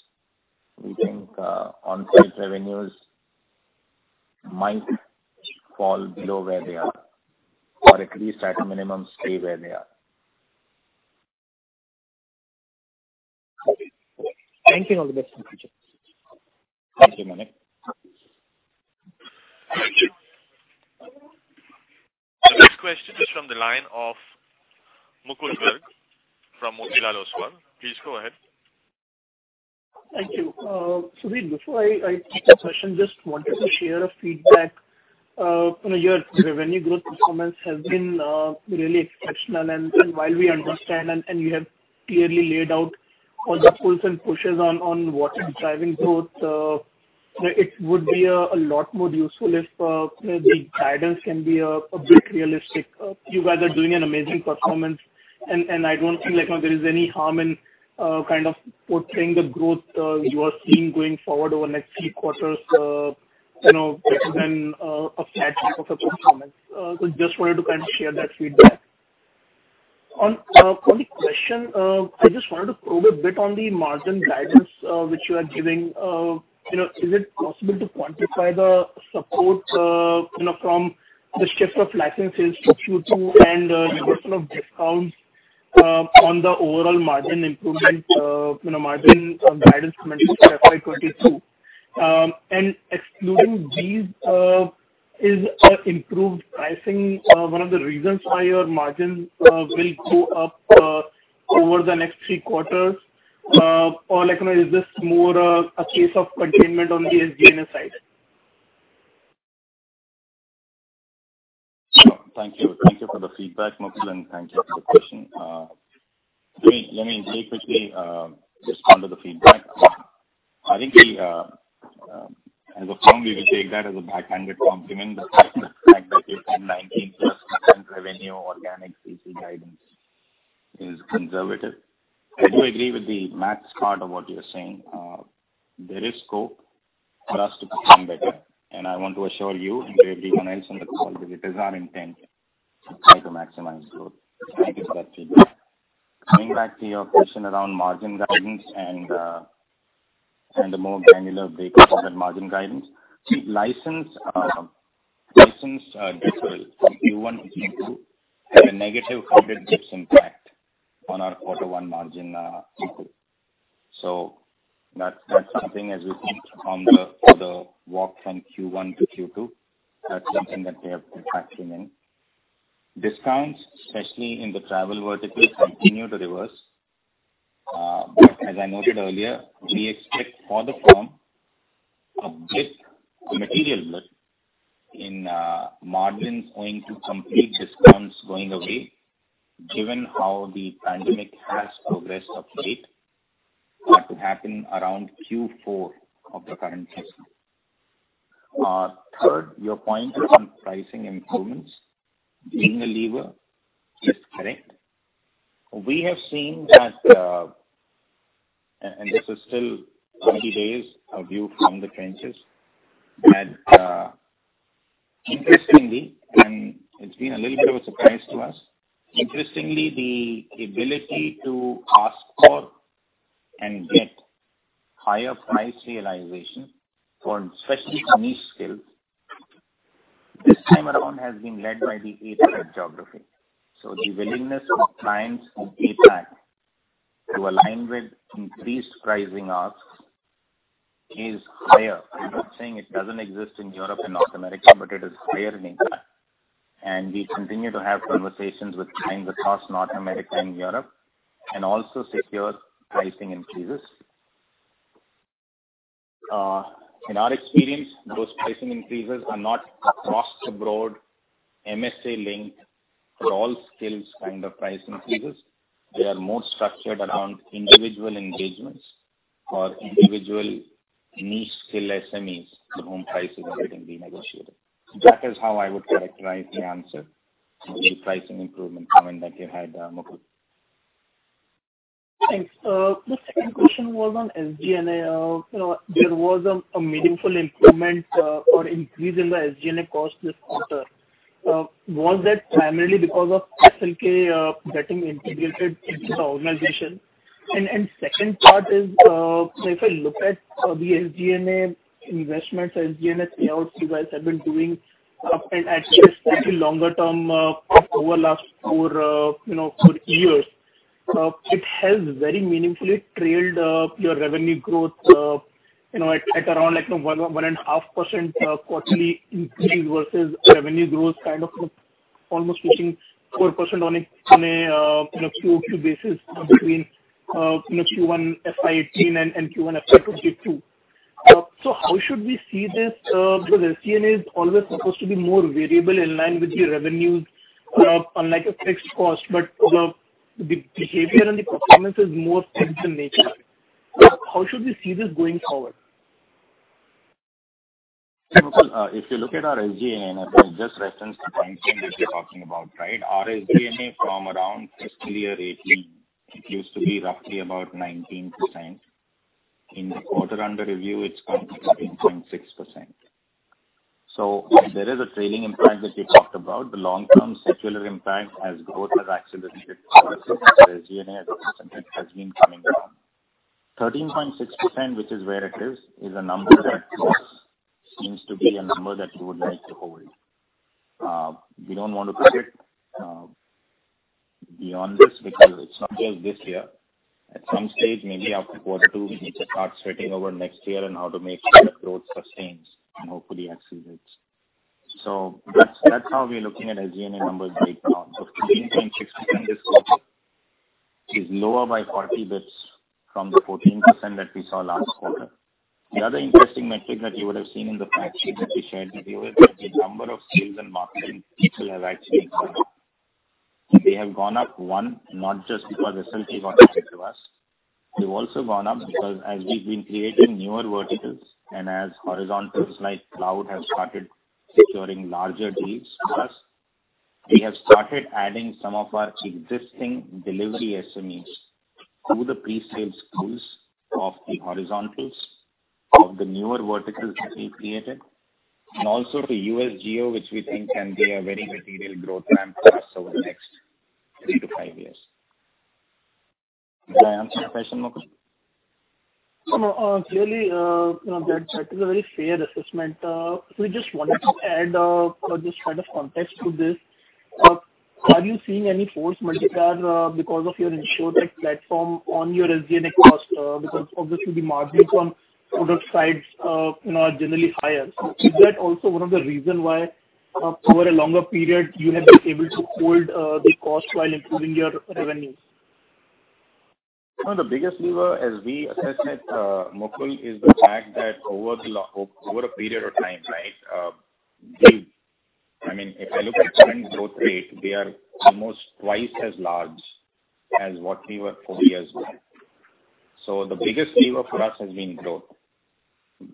we think on-site revenues might fall below where they are, or at least at a minimum stay where they are. Okay. Thank you. All the best. Thank you, Manik. Thank you. The next question is from the line of Mukul Garg from Motilal Oswal. Please go ahead. Thank you. Sudhir, before I take the question, just wanted to share a feedback. Your revenue growth performance has been really exceptional, and while we understand and you have clearly laid out all the pulls and pushes on what is driving growth, it would be a lot more useful if the guidance can be a bit realistic. You guys are doing an amazing performance, and I don't feel like there is any harm in portraying the growth you are seeing going forward over the next three quarters, rather than a flat set of performance. Just wanted to share that feedback. On the question, I just wanted to probe a bit on the margin guidance, which you are giving. Is it possible to quantify the support from the shift of license sales to Q2 and reversal of discounts on the overall margin improvement, margin guidance mentioned for FY 2022? Excluding these, is improved pricing one of the reasons why your margins will go up over the next three quarters? Or is this more a case of containment on the SG&A side? Thank you. Thank you for the feedback, Mukul, and thank you for the question. Let me very quickly respond to the feedback. I think as a firm, we will take that as a backhanded compliment the fact that we said 19%+ revenue organic CC guidance is conservative. I do agree with the max part of what you're saying. There is scope for us to perform better, and I want to assure you and everyone else on the call that it is our intention to try to maximize growth. Thank you for that feedback. Coming back to your question around margin guidance and a more granular breakdown of that margin guidance. License deferral from Q1 to Q2 had a negative 100 basis points impact on our quarter one margin. That's something as we think for the walk from Q1 to Q2. That's something that we are factoring in. Discounts, especially in the travel vertical, continue to reverse. As I noted earlier, we expect for the firm, a blip, a material blip in margins owing to some big discounts going away, given how the pandemic has progressed of late, that to happen around Q4 of the current fiscal. Third, your point around pricing improvements being a lever is correct. We have seen that. This is still 20 days of view from the trenches. Interestingly, it's been a little bit of a surprise to us. Interestingly, the ability to ask for and get higher price realization for especially niche skills. This time around has been led by the APAC geography. The willingness of clients from APAC to align with increased pricing asks is higher. I'm not saying it doesn't exist in Europe and North America, but it is higher in APAC. We continue to have conversations with clients across North America and Europe, and also secure pricing increases. In our experience, those pricing increases are not across the board MSA linked for all skills kind of price increases. They are more structured around individual engagements or individual niche skill SMEs for whom prices are getting renegotiated. That is how I would characterize the answer on the pricing improvement comment that you had, Mukul. Thanks. The second question was on SG&A. There was a meaningful increment or increase in the SG&A cost this quarter. Was that primarily because of SLK getting integrated into the organization? The second part is, if I look at the SG&A investments, SG&A payouts you guys have been doing and actually slightly longer term over last four years. It has very meaningfully trailed your revenue growth at around 1.5% quarterly increase versus revenue growth almost reaching 4% on a QoQ basis between Q1 FY 2018 and Q1 FY 2022. How should we see this? SG&A is always supposed to be more variable in line with your revenues, unlike a fixed cost, but the behavior and the performance is more fixed in nature. How should we see this going forward? Mukul, if you look at our SG&A, if I just reference the point that you're talking about, right. Our SG&A from around fiscal year 2018, it used to be roughly about 19%. In the quarter under review, it's come to 13.6%. There is a trailing impact that you talked about. The long-term secular impact as growth has accelerated versus the SG&A as a % has been coming down. 13.6%, which is where it is a number that, for us, seems to be a number that we would like to hold. We don't want to push it beyond this because it's not just this year. At some stage, maybe after quarter two, we need to start sweating over next year and how to make sure that growth sustains and hopefully exceeds. That's how we're looking at SG&A numbers breakdown. 13.6% this quarter is lower by 40 basis points from the 14% that we saw last quarter. The other interesting metric that you would have seen in the fact sheet that we shared with you is that the number of sales and marketing people have actually expanded. They have gone up, one, not just because SLK got added to us. They've also gone up because as we've been creating newer verticals and as horizontals like cloud have started securing larger deals for us, we have started adding some of our existing delivery SMEs to the pre-sales teams of the horizontals of the newer verticals that we created, and also to U.S. geo, which we think can be a very material growth ramp for us over the next three to five years. Did I answer your question, Mukul? Clearly, that is a very fair assessment. We just wanted to add just kind of context to this. Are you seeing any force multiplier because of your Insurtech platform on your SG&A cost? Obviously the margins on product sides are generally higher. Is that also one of the reason why over a longer period, you have been able to hold the cost while improving your revenues? No, the biggest lever, as we assess it, Mukul, is the fact that over a period of time. If I look at trends growth rate, we are almost twice as large as what we were four years ago.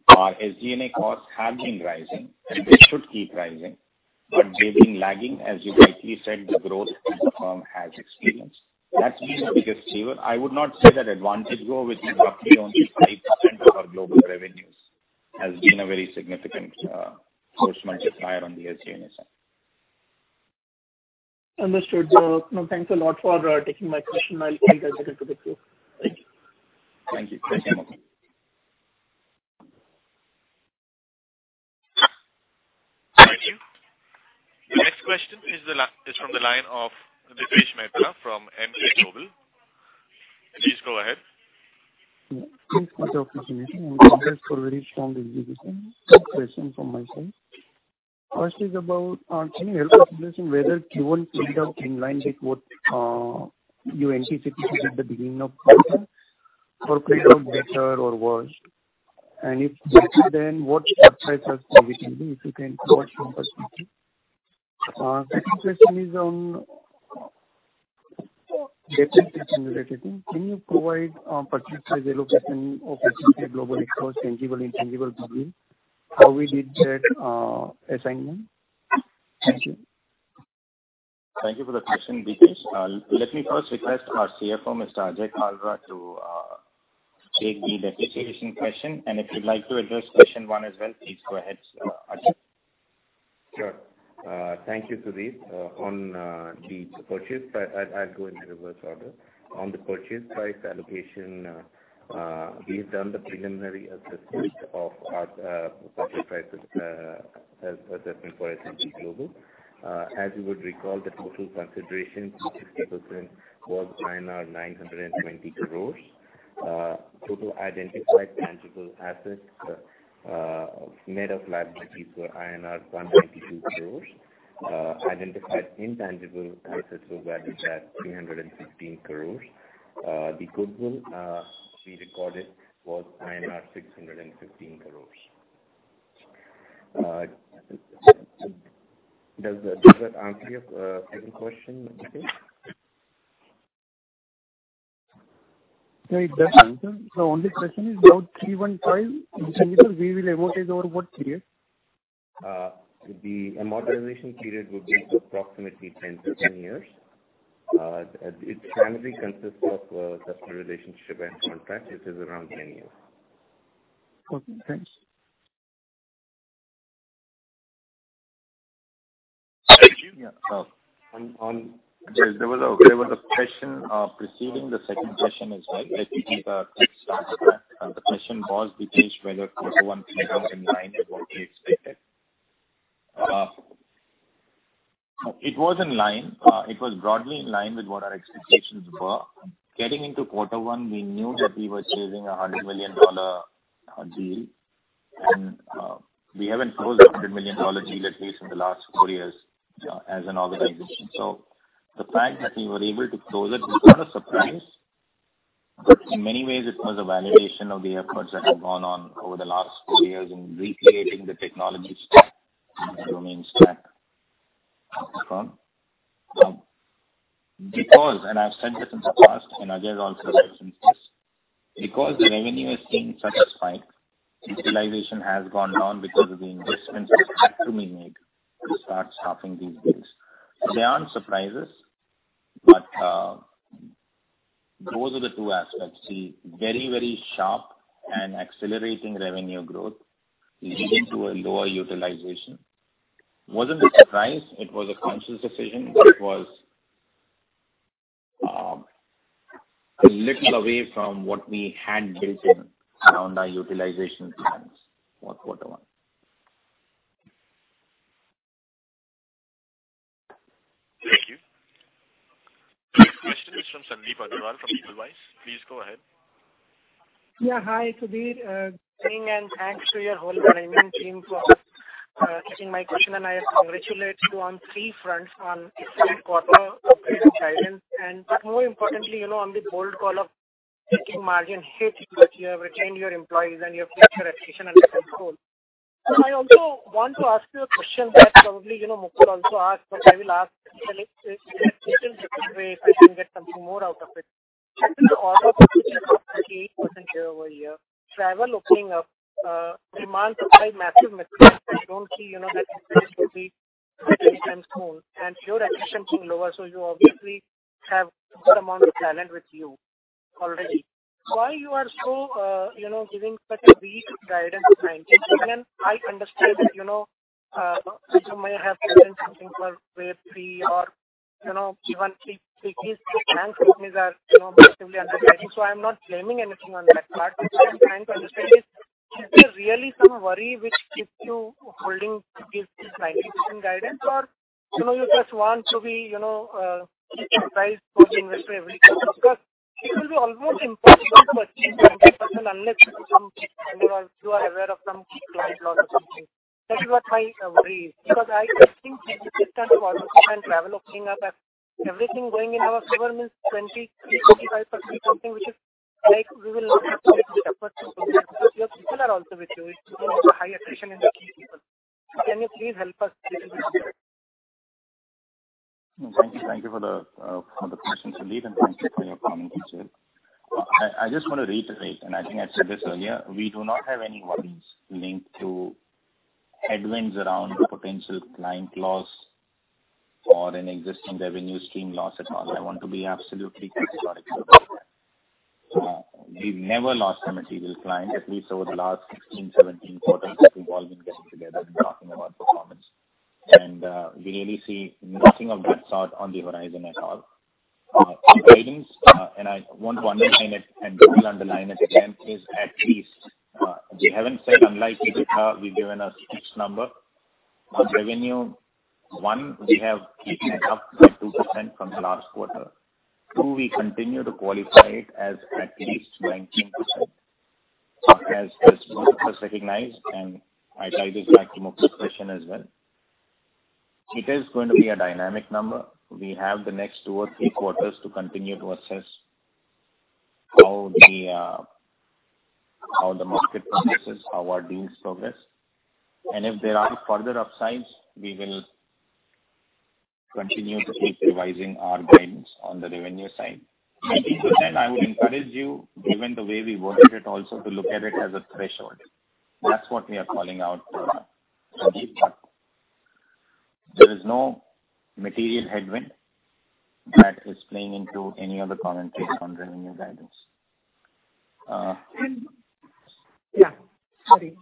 Our SG&A costs have been rising, and they should keep rising. They've been lagging, as you rightly said, the growth that the firm has experienced. That's been the biggest lever. I would not say that AdvantageGo, which is roughly only 5% of our global revenues, has been a very significant force multiplier on the SG&A side. Understood. Thanks a lot for taking my question. I'll hand it over to the queue. Thank you. Thank you. Pleasure, Mukul. Thank you. The next question is from the line of Dipesh Mehta from Emkay Global. Please go ahead. Thanks for the opportunity and congrats for very strong execution. Two questions from my side. First is about, can you help us understand whether Q1 turned out in line with what you anticipated at the beginning of quarter or turned out better or worse? If better, then what surprises maybe can be, if you can talk from perspective? Second question is on data center related thing. Can you provide percentage allocation of SG&A global across tangible, intangible property? How we did that assignment? Thank you. Thank you for the question, Dipesh. Let me first request our Chief Financial Officer, Mr. Ajay Kalra, to take the depreciation question. If you'd like to address question one as well, please go ahead, Ajay. Sure. Thank you, Sudhir. On the purchase, I'll go in reverse order. On the purchase price allocation, we've done the preliminary assessment of our purchase price assessment for SLK Global. As you would recall, the total consideration to SLK was 920 crores. Total identified tangible assets net of liabilities were INR 182 crores. Identified intangible assets were valued at 316 crores. The goodwill we recorded was INR 615 crores. Does that answer your second question, Dipesh? No, it does answer. The only question is about 315. In total, we will amortize over what period? The amortization period would be approximately 10 years. It primarily consists of customer relationship and contract. It is around 10 years. Okay, thanks. Yeah. There was a question preceding the second question as well. Let me take a quick stab at that. The question was, Dipesh, whether quarter one came in line with what we expected. It was in line. It was broadly in line with what our expectations were. Getting into quarter one, we knew that we were closing a $100 million deal, and we haven't closed a $100 million deal, at least in the last four years as an organization. The fact that we were able to close it is not a surprise, but in many ways it was a validation of the efforts that have gone on over the last four years in recreating the technology stack, the domain stack. And I've said this in the past, and Ajay has also said since this, because the revenue is seeing such a spike, utilization has gone down because of the investments which had to be made to start staffing these deals. They aren't surprises, but those are the two aspects. See very, very sharp and accelerating revenue growth leading to a lower utilization. Wasn't a surprise. It was a conscious decision, it was a little away from what we had built in around our utilization plans for quarter one. Thank you. The next question is from Sandip Agarwal from Edelweiss. Please go ahead. Hi, Sudhir. Good evening. Thanks to your whole management team for taking my question. I congratulate you on three fronts, on a great quarter, a great guidance, but more importantly on the bold call of taking margin hit. You have retained your employees and you have kept your attrition under control. I also want to ask you a question that probably Mukul also asked. I will ask it a little different way if I can get something more out of it. Check in the order of 38% year-over-year, travel opening up, demand supply massive mismatch. We don't see that this will be under control. Your attrition is lower, you obviously have good amount of talent with you already. Why you are so giving such a beat guidance of 90%? I understand that you might have given something for third wave or even three peaks and companies are massively understaffing. I'm not blaming anything on that part. What I'm trying to understand is there really some worry which keeps you holding to this 90% guidance? You just want to keep the price for the investor every quarter? It will be almost impossible to achieve 90% unless there's some, anyway, you are aware of some key client loss or something. That is what my worry is. I just think with this kind of volume and travel opening up, everything going in our favor means 20%-25% something which is like we will not have to make the efforts to do that because your people are also with you. It's also high attrition in the key people. Can you please help us little bit here? Thank you for the question, Sandip, and thanks for your comment. I just want to reiterate, and I think I've said this earlier, we do not have any worries linked to headwinds around potential client loss or an existing revenue stream loss at all. I want to be absolutely clear about it. We've never lost a material client, at least over the last 16, 17 quarters that we've all been getting together and talking about performance. We really see nothing of that sort on the horizon at all. Our guidance, I want to underline it, and we will underline it again, is at least. We haven't said unlike digital, we've given a fixed number. On revenue, one, we have kept it up by 2% from the last quarter. Two, we continue to qualify it as at least 19%, as Mukul has recognized, and I tie this back to Mukul's question as well. It is going to be a dynamic number. We have the next two or three quarters to continue to assess how the market progresses, how our deals progress. Sandeep, I would encourage you, given the way we worded it also, to look at it as a threshold. That's what we are calling out for, Sandeep. There is no material headwind that is playing into any of the commentary on revenue guidance. Yeah. Sorry.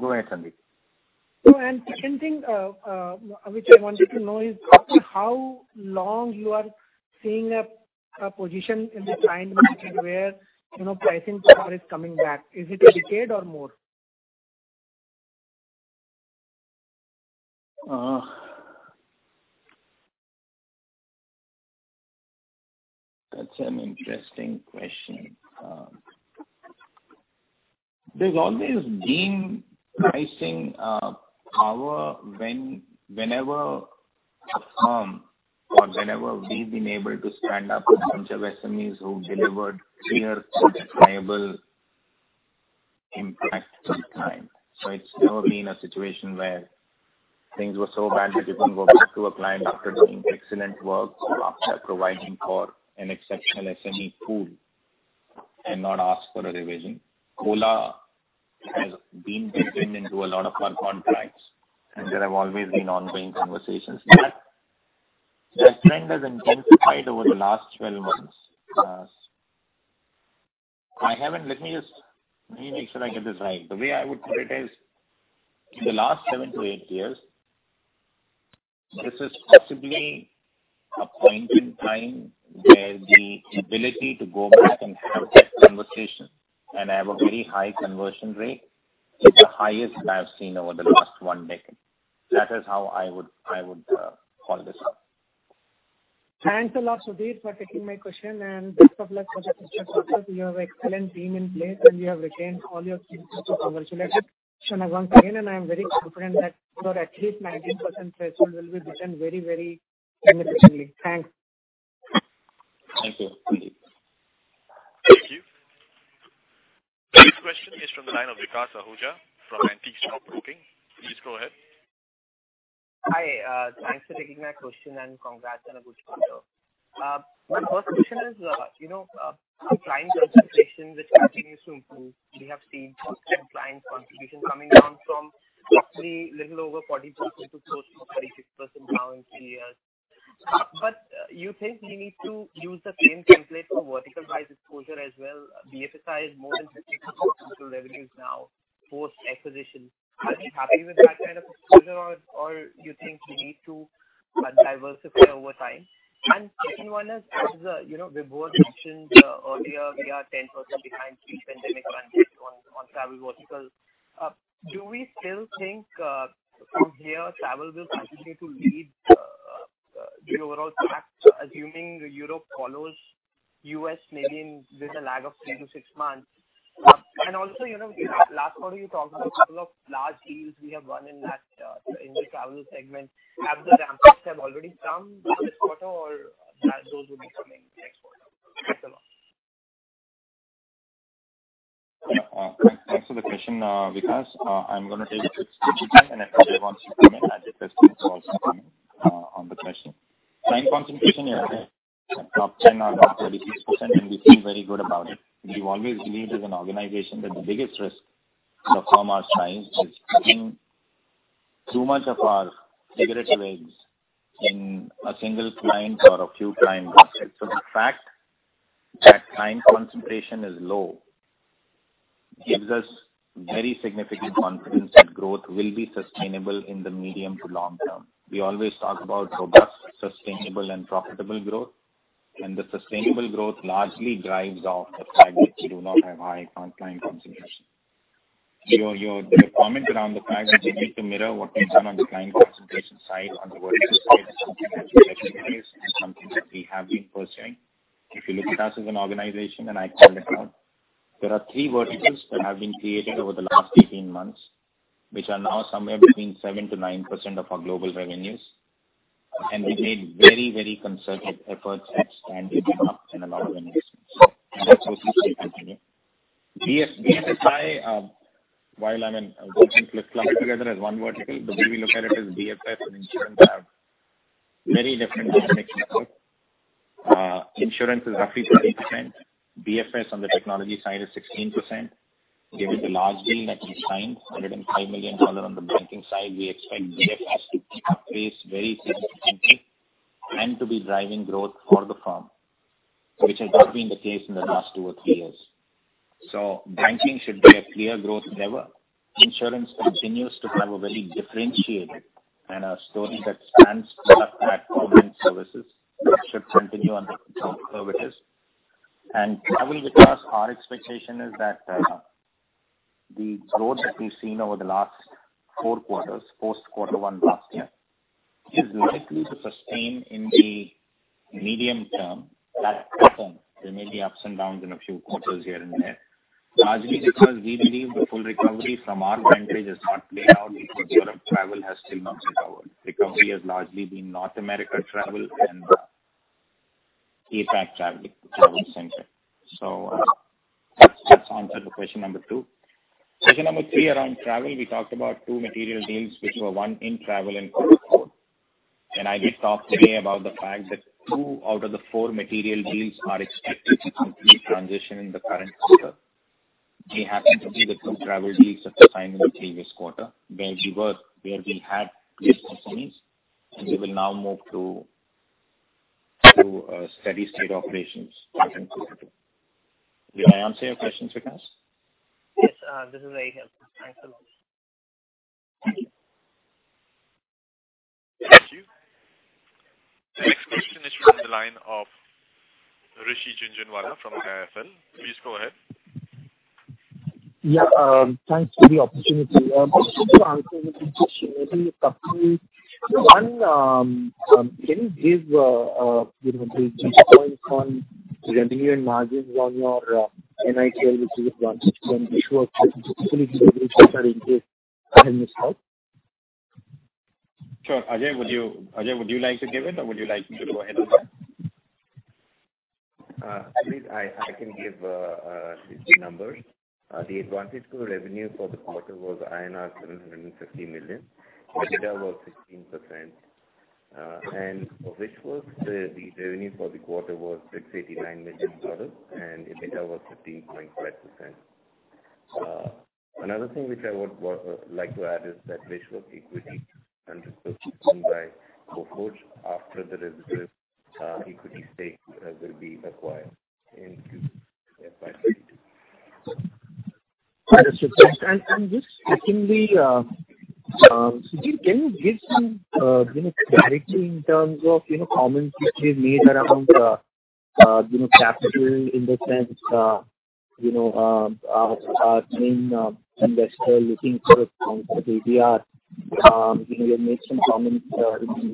Go ahead, Sandip. Second thing which I wanted to know is, how long you are seeing a position in the client market where pricing power is coming back? Is it a decade or more? That's an interesting question. There's always been pricing power whenever a firm or whenever we've been able to stand up a bunch of SMEs who delivered clear to definable impact over time. It's never been a situation where things were so bad that you couldn't go back to a client after doing excellent work or after providing for an exceptional SME pool and not ask for a revision. COLA has been baked into a lot of our contracts, and there have always been ongoing conversations. That strength has intensified over the last 12 months. Let me make sure I get this right. The way I would put it is, in the last seven to eight years, this is possibly a point in time where the ability to go back and have that conversation and have a very high conversion rate is the highest that I've seen over the last one decade. That is how I would call this out. Thanks a lot, Sudhir, for taking my question. Best of luck for the future quarter. You have an excellent team in place, and you have retained all your key people once again, and I am very confident that your at least 90% threshold will be returned very, very significantly. Thanks. Thank you, Sandip. Thank you. This question is from the line of Vikas Ahuja from Antique Stock Broking. Please go ahead. Hi. Thanks for taking my question and congrats on a good quarter. My first question is, client concentration which continues to improve. We have seen client contribution coming down from roughly a little over 40% to close to 36% now in three years. You think we need to use the same template for vertical rise exposure as well. BFSI is more than 50% of total revenues now, post-acquisition. Are you happy with that kind of exposure, or you think we need to diversify over time? Second one is, as Vibhor mentioned earlier, we are 10% behind pre-pandemic run rate on travel vertical. Do we still think from here, travel will continue to lead the overall pack, assuming Europe follows U.S. maybe with a lag of three to six months? Also, last quarter you talked about a couple of large deals we have won in the travel segment. Have the ramp effects already come this quarter or those will be coming next quarter? Thanks a lot. Thanks for the question, Vikas. I'm going to take it with and if Ajay wants to come in, I request him to also come in on the question. Client concentration, yeah, at top 10% or 36%, and we feel very good about it. We've always believed as an organization that the biggest risk to the firm or clients is keeping too much of our figurative eggs in a single client or a few client baskets. The fact that client concentration is low gives us very significant confidence that growth will be sustainable in the medium to long term. We always talk about robust, sustainable, and profitable growth. The sustainable growth largely drives off the fact that we do not have high client concentration. Your comment around the fact that you need to mirror what we've done on the client concentration side on the vertical side is something that we recognize, is something that we have been pursuing. If you look at us as an organization, and I called it out, there are three verticals that have been created over the last 18 months, which are now somewhere between 7%-9% of our global revenues. We made very, very concerted efforts at standing them up in a lot of industries. That's also continuing. BFSI, while I'm in, I'll go ahead and clump together as one vertical. The way we look at it is BFS and insurance are very different dynamics at work. Insurance is roughly 20%. BFS on the technology side is 16%. Given the large deal that we signed, $105 million on the banking side, we expect BFS to increase very significantly and to be driving growth for the firm, which has not been the case in the last two or three years. Banking should be a clear growth lever. Insurance continues to have a very differentiated and a story that stands apart at government services. That should continue on the curve it is. Travel because our expectation is that the growth that we've seen over the last four quarters, post quarter one last year, is likely to sustain in the medium term. There may be ups and downs in a few quarters here and there. Largely because we believe the full recovery from our vantage has not played out because Europe travel has still not recovered. Recovery has largely been North America travel and APAC travel centric. That's answered the question number two. Question number three around travel, we talked about two material deals which were won in travel in Q4. I just talked today about the fact that two out of the four material deals are expected to complete transition in the current quarter. They happen to be the two travel deals that were signed in the previous quarter, where we had 10 components, and we will now move to steady state operations in Q2. Did I answer your question, Vikas? Yes, this is very helpful. Thanks a lot. Thank you. Thank you. The next question is from the line of Rishi Jhunjhunwala from IIFL. Please go ahead. Yeah. Thanks for the opportunity. Just to answer the question, maybe a couple. One, can you give the G&A points on revenue and margins on your NIIT Technologies, which is AdvantageGo, Whishworks, and Sure. Ajay, would you like to give it or would you like me to go ahead on that? I can give the numbers. The AdvantageGo revenue for the quarter was INR 750 million. EBITDA was 15%. For Whishworks, the revenue for the quarter was $689 million, and EBITDA was 15.5%. Another thing which I would like to add is that Whishworks Equity, 100% owned by Coforge, after the residual equity stake will be acquired in FY 2022. Understood. Just secondly, Sudhir, can you give some clarity in terms of comments which you've made around capital in the sense, our main investor looking for ADR? You had made some comments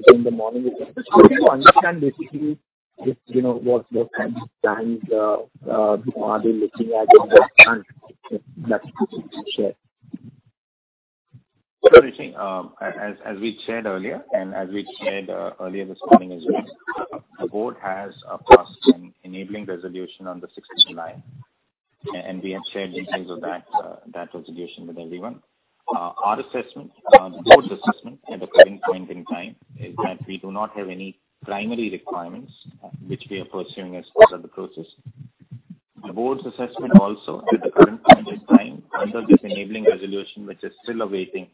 in the morning. Just how do you understand basically what's the time are they looking at in this plan, if that's something you can share? Sure, Rishi. As we shared earlier, and as we shared earlier this morning as well, the board has passed an enabling resolution on the July 6. We have shared the details of that resolution with everyone. Our assessment, the board's assessment at the current point in time, is that we do not have any primary requirements which we are pursuing as part of the process. The board's assessment also at the current point in time, under this enabling resolution, which is still awaiting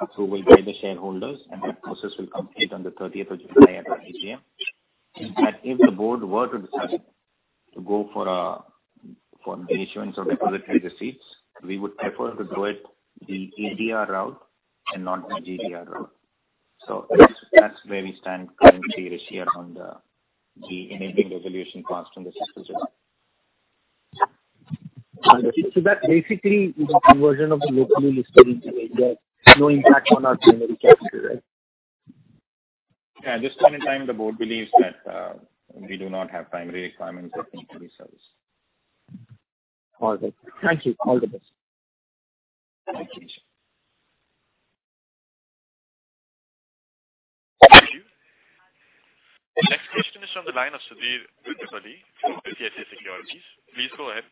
approval by the shareholders. That process will complete on the July 30 at our AGM, that if the board were to decide to go for the issuance of depository receipts, we would prefer to do it the ADR route and not the GDR route. That's where we stand currently, Rishi, on the enabling resolution passed on the July 6. Understood. That basically is a conversion of the locally listed ADR. No impact on our primary capital, right? Yeah. At this point in time, the board believes that we do not have primary requirements that need to be serviced. All good. Thank you. All the best. Thank you. Thank you. The next question is on the line of Please go ahead.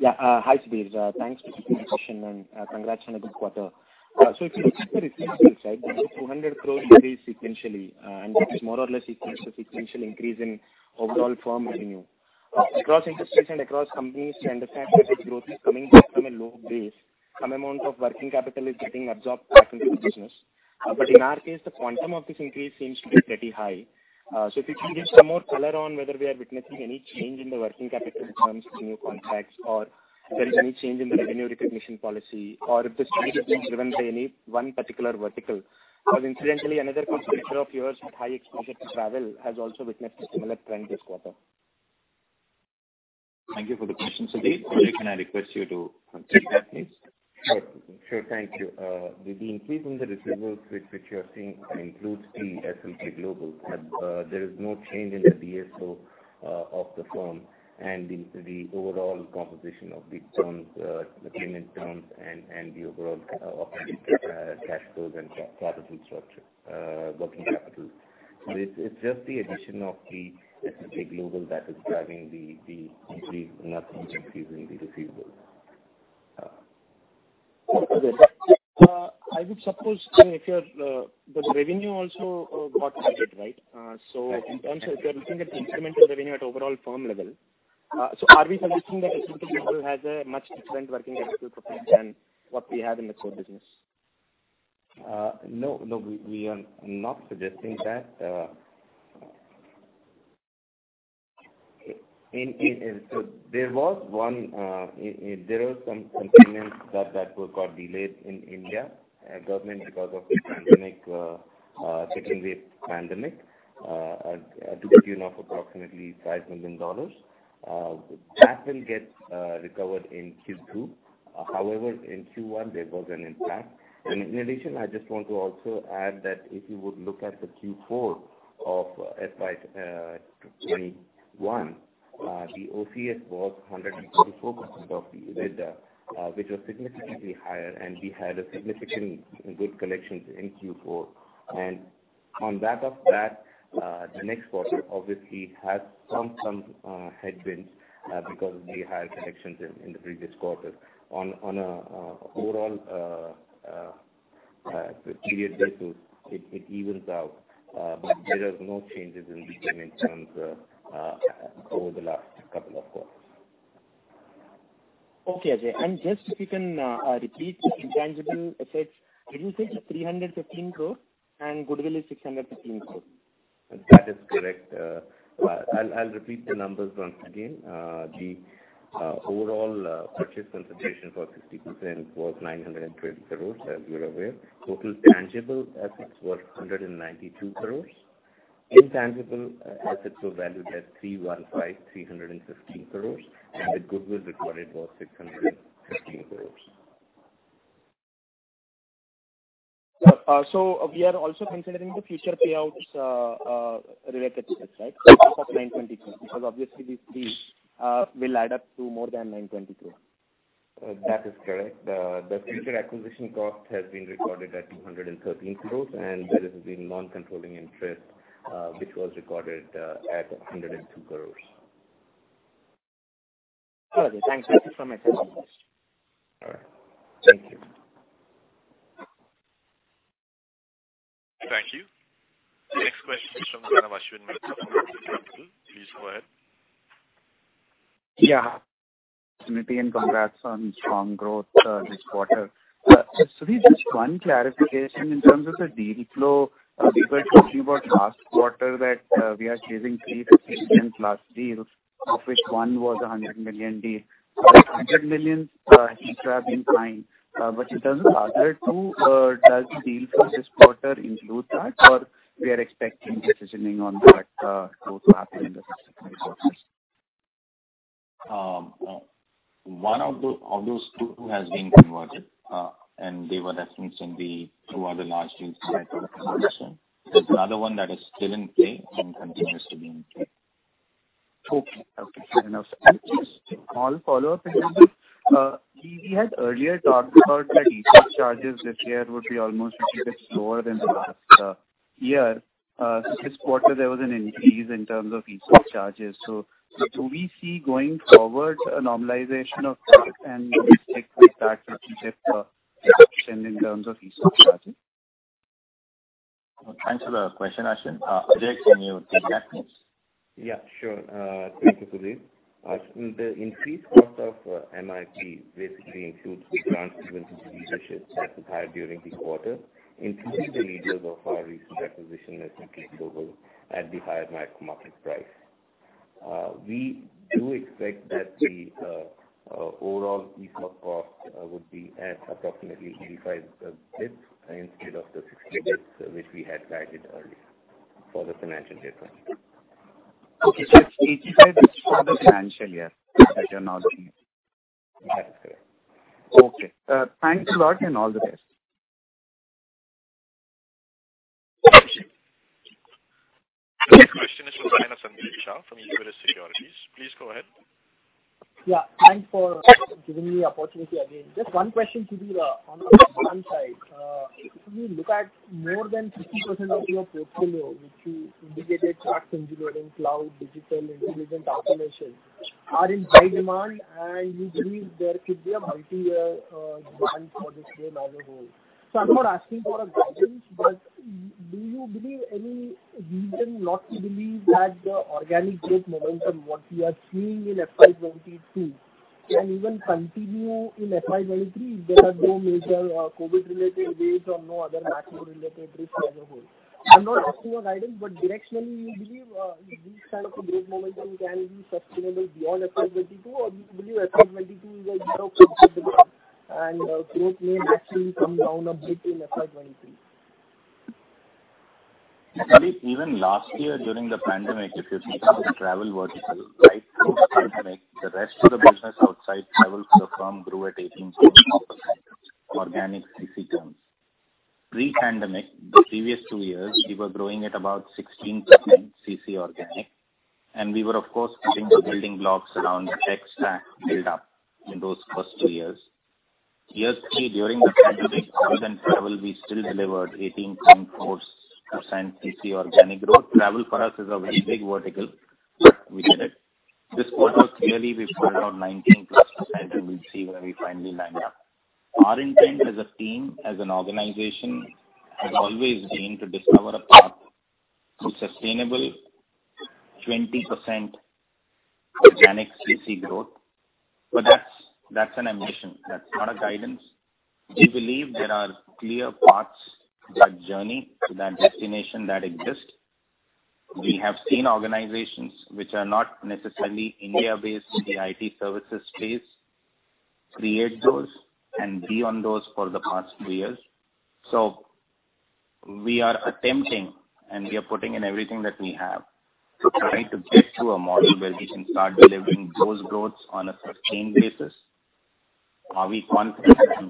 Yeah. Hi, Sudhir. Thanks for the invitation and congrats on a good quarter. If you look at the receivables side, there is a 200 crore increase sequentially, and this more or less equals the sequential increase in overall firm revenue. Across industries and across companies, we understand that this growth is coming back from a low base. Some amount of working capital is getting absorbed back into the business. In our case, the quantum of this increase seems to be pretty high. If you can give some more color on whether we are witnessing any change in the working capital terms, new contracts, or if there is any change in the revenue recognition policy, or if the speed is being driven by any one particular vertical. Incidentally, another competitor of yours with high exposure to travel has also witnessed a similar trend this quarter. Thank you for the question, Ajay, can I request you to take that, please? Sure. Thank you. The increase in the receivables which you are seeing includes the SLK Global. There is no change in the DSO of the firm and the overall composition of the terms, the payment terms and the overall operating cash flows and profit structure, working capital. It's just the addition of the SLK Global that is driving the increase and that increase in the receivable. Okay. I would suppose then if the revenue also got added, right? In terms of if you are looking at the incremental revenue at overall firm level, so are we suggesting that SLK Global has a much different working capital profile than what we have in the core business? No, we are not suggesting that. There were some components that work got delayed in India government because of the second wave pandemic to the tune of approximately $5 million. That will get recovered in Q2. However, in Q1, there was an impact. In addition, I just want to also add that if you would look at the Q4 of FY 2021, the OCF was 144% of the EBITDA which was significantly higher, and we had a significant good collections in Q4. On back of that, the next quarter obviously has some headwinds because of the higher collections in the previous quarter. On an overall period basis, it evens out, but there is no changes in the trend in terms of over the last couple of quarters. Okay, Ajay. If you can repeat the intangible assets. Did you say it's 315 crores and goodwill is 615 crores? That is correct. I'll repeat the numbers once again. The overall purchase consideration for 60% was 920 crores, as you're aware. Total tangible assets were 192 crores. Intangible assets were valued at 315 crores, and the goodwill recorded was 615 crores. We are also considering the future payouts related to this, right? Of INR 920 crore because obviously these fees will add up to more than 920 crore. That is correct. The future acquisition cost has been recorded at 213 crores and there has been non-controlling interest which was recorded at 102 crores. Okay. Thanks, Ajay, for my questions. All right. Thank you. Thank you. The next question is from Ashwin Mehta. Please go ahead. Yeah. Congrats on strong growth this quarter. Sudhir, just one clarification in terms of the deal flow. We were talking about last quarter that we are chasing three class deals, of which one was 100 million deal. That 100 million seems to have been signed. Just as a follow through, does the deal for this quarter include that or we are expecting decisioning on that to happen in the subsequent quarters? One of those two has been converted, and they were referenced in the two other large deals cycle acquisition. There's another one that is still in play and continues to be in play. Okay, fair enough. Just a small follow-up here. We had earlier talked about the ESOP charges this year would be almost a bit lower than the last year. This quarter, there was an increase in terms of ESOP charges. Do we see going forward a normalization of that and we expect that to keep a reduction in terms of ESOP charges? Thanks for the question, Ashwin. Ajay, can you take that please? Yeah, sure. Thank you, Sudhir. Ashwin, the increased cost of MIP basically includes the grants given to the leadership that was hired during the quarter, including the leaders of our recent acquisition, SLK Global, at the higher market price. We do expect that the overall ESOP cost would be at approximately 85 basis points instead of the 60 basis points which we had guided earlier for the financial year. Okay. 85 basis points is for the financial year that you're now giving. That is correct. Okay. Thanks a lot and all the best. The next question is from Sandip Agarwal from Edelweiss Securities. Please go ahead. Yeah, thanks for giving me opportunity again. Just one question, Sudhir. On the demand side, if you look at more than 50% of your portfolio, which you indicated charts engineering, cloud, digital, intelligent automation are in high demand and you believe there could be a multi-year demand for this game as a whole. I'm not asking for a guidance, but do you believe any reason not to believe that the organic growth momentum, what we are seeing in FY 2022 can even continue in FY 2023 if there are no major COVID-related waves or no other macro-related risk as a whole? I'm not asking for guidance, but directionally you believe these kind of a growth momentum can be sustainable beyond FY 2022 or you believe FY 2022 is a year of COVID demand and growth may actually come down a bit in FY 2023. Sandip, even last year during the pandemic, if you look at the travel vertical, right through the pandemic, the rest of the business outside travel for the firm grew at 18.4% organic CC terms. Pre-pandemic, the previous two years, we were growing at about 16% CC organic, and we were of course putting the building blocks around tech stack build-up in those first two years. Year three during the pandemic other than travel, we still delivered 18.4% CC organic growth. Travel for us is a very big vertical, but we did it. This quarter clearly we pulled out 19%+ and we'll see where we finally land up. Our intent as a team, as an organization, has always been to discover a path to sustainable 20% organic CC growth. That's an ambition. That's not a guidance. We believe there are clear paths, that journey to that destination that exist. We have seen organizations which are not necessarily India-based in the IT services space, create those and be on those for the past few years. We are attempting and we are putting in everything that we have to try to get to a model where we can start delivering those growths on a sustained basis.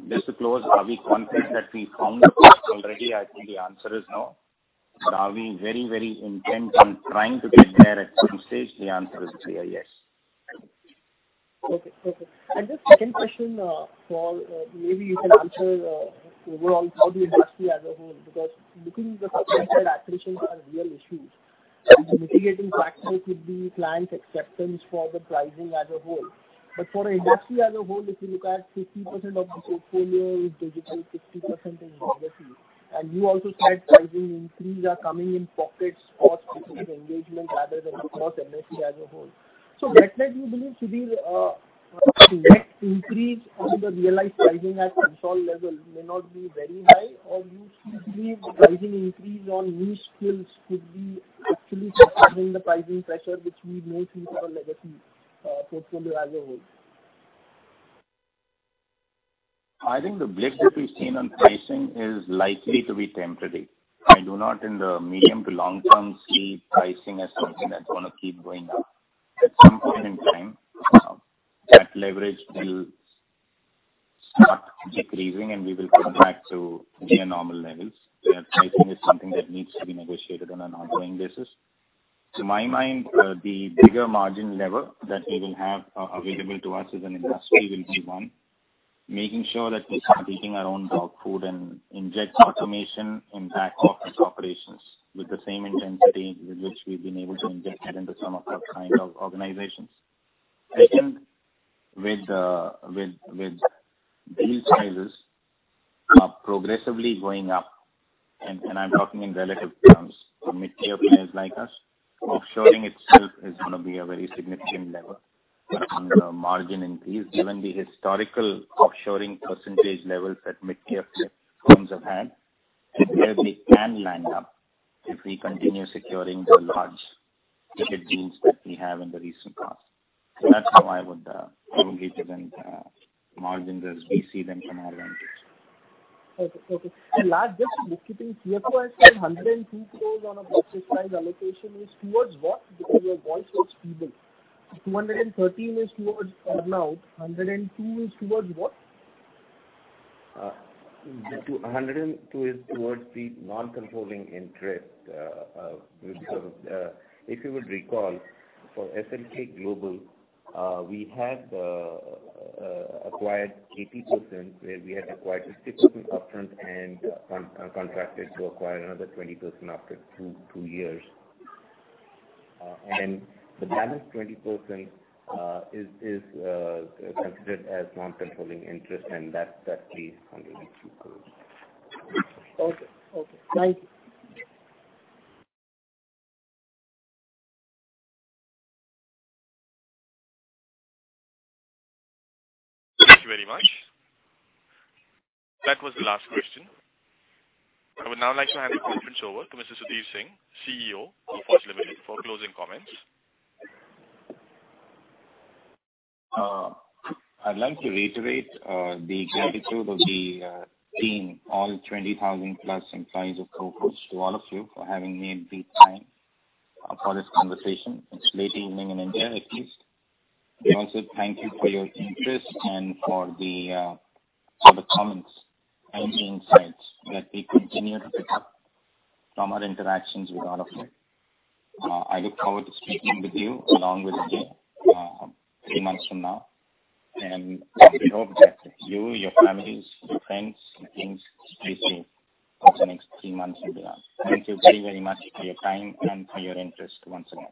Just to close, are we confident that we found the path already? I think the answer is no. Are we very intent on trying to get there at some stage? The answer is clear yes. Okay. Just second question, maybe you can answer overall how the industry as a whole, because looking at the customer side, attritions are real issues. The mitigating factor could be client acceptance for the pricing as a whole. For industry as a whole, if you look at 50% of the portfolio is digital, 50% is legacy. You also said pricing increase are coming in pockets or specific engagement rather than across MSA as a whole. That might you believe could be a net increase on the realized pricing at Coforge level may not be very high or you see the pricing increase on new skills could be actually offsetting the pricing pressure which we may see for legacy portfolio as a whole? I think the blip that we've seen on pricing is likely to be temporary. I do not in the medium to long term see pricing as something that's going to keep going up. At some point in time that leverage will start decreasing and we will come back to near normal levels. Pricing is something that needs to be negotiated on an ongoing basis. To my mind, the bigger margin lever that we will have available to us as an industry will be one, making sure that we stop eating our own dog food and inject automation in back office operations with the same intensity with which we've been able to inject that into some of our client organizations. With bill sizes progressively going up, and I'm talking in relative terms for mid-tier players like us, offshoring itself is going to be a very significant lever on the margin increase, given the historical offshoring percentage levels that mid-tier firms have had and where we can land up if we continue securing the large ticket deals that we have in the recent past. That's how I would aggregate and margin as we see them from our vantage. Okay. Last, just bookkeeping. Here you have said 102 crores on a budget size allocation is towards what? Because your voice was feeble. 213 is towards earn-out, 102 is towards what? 102 is towards the non-controlling interest. If you would recall, for SLK Global, we had acquired 80% where we had acquired 60% upfront and contracted to acquire another 20% after two years. The balance 20% is considered as non-controlling interest and that's the INR 102 crores. Okay. Thank you. Thank you very much. That was the last question. I would now like to hand the conference over to Mr. Sudhir Singh, Chief Executive Officer of Coforge Limited, for closing comments. I'd like to reiterate the gratitude of the team, all 20,000+ employees of Coforge to all of you for having made the time for this conversation. It's late evening in India at least. Also, thank you for your interest and for the comments and the insights that we continue to pick up from our interactions with all of you. I look forward to speaking with you along with Ajay three months from now, and we hope that you, your families, your friends, and things stay safe for the next three months and beyond. Thank you very much for your time and for your interest once again.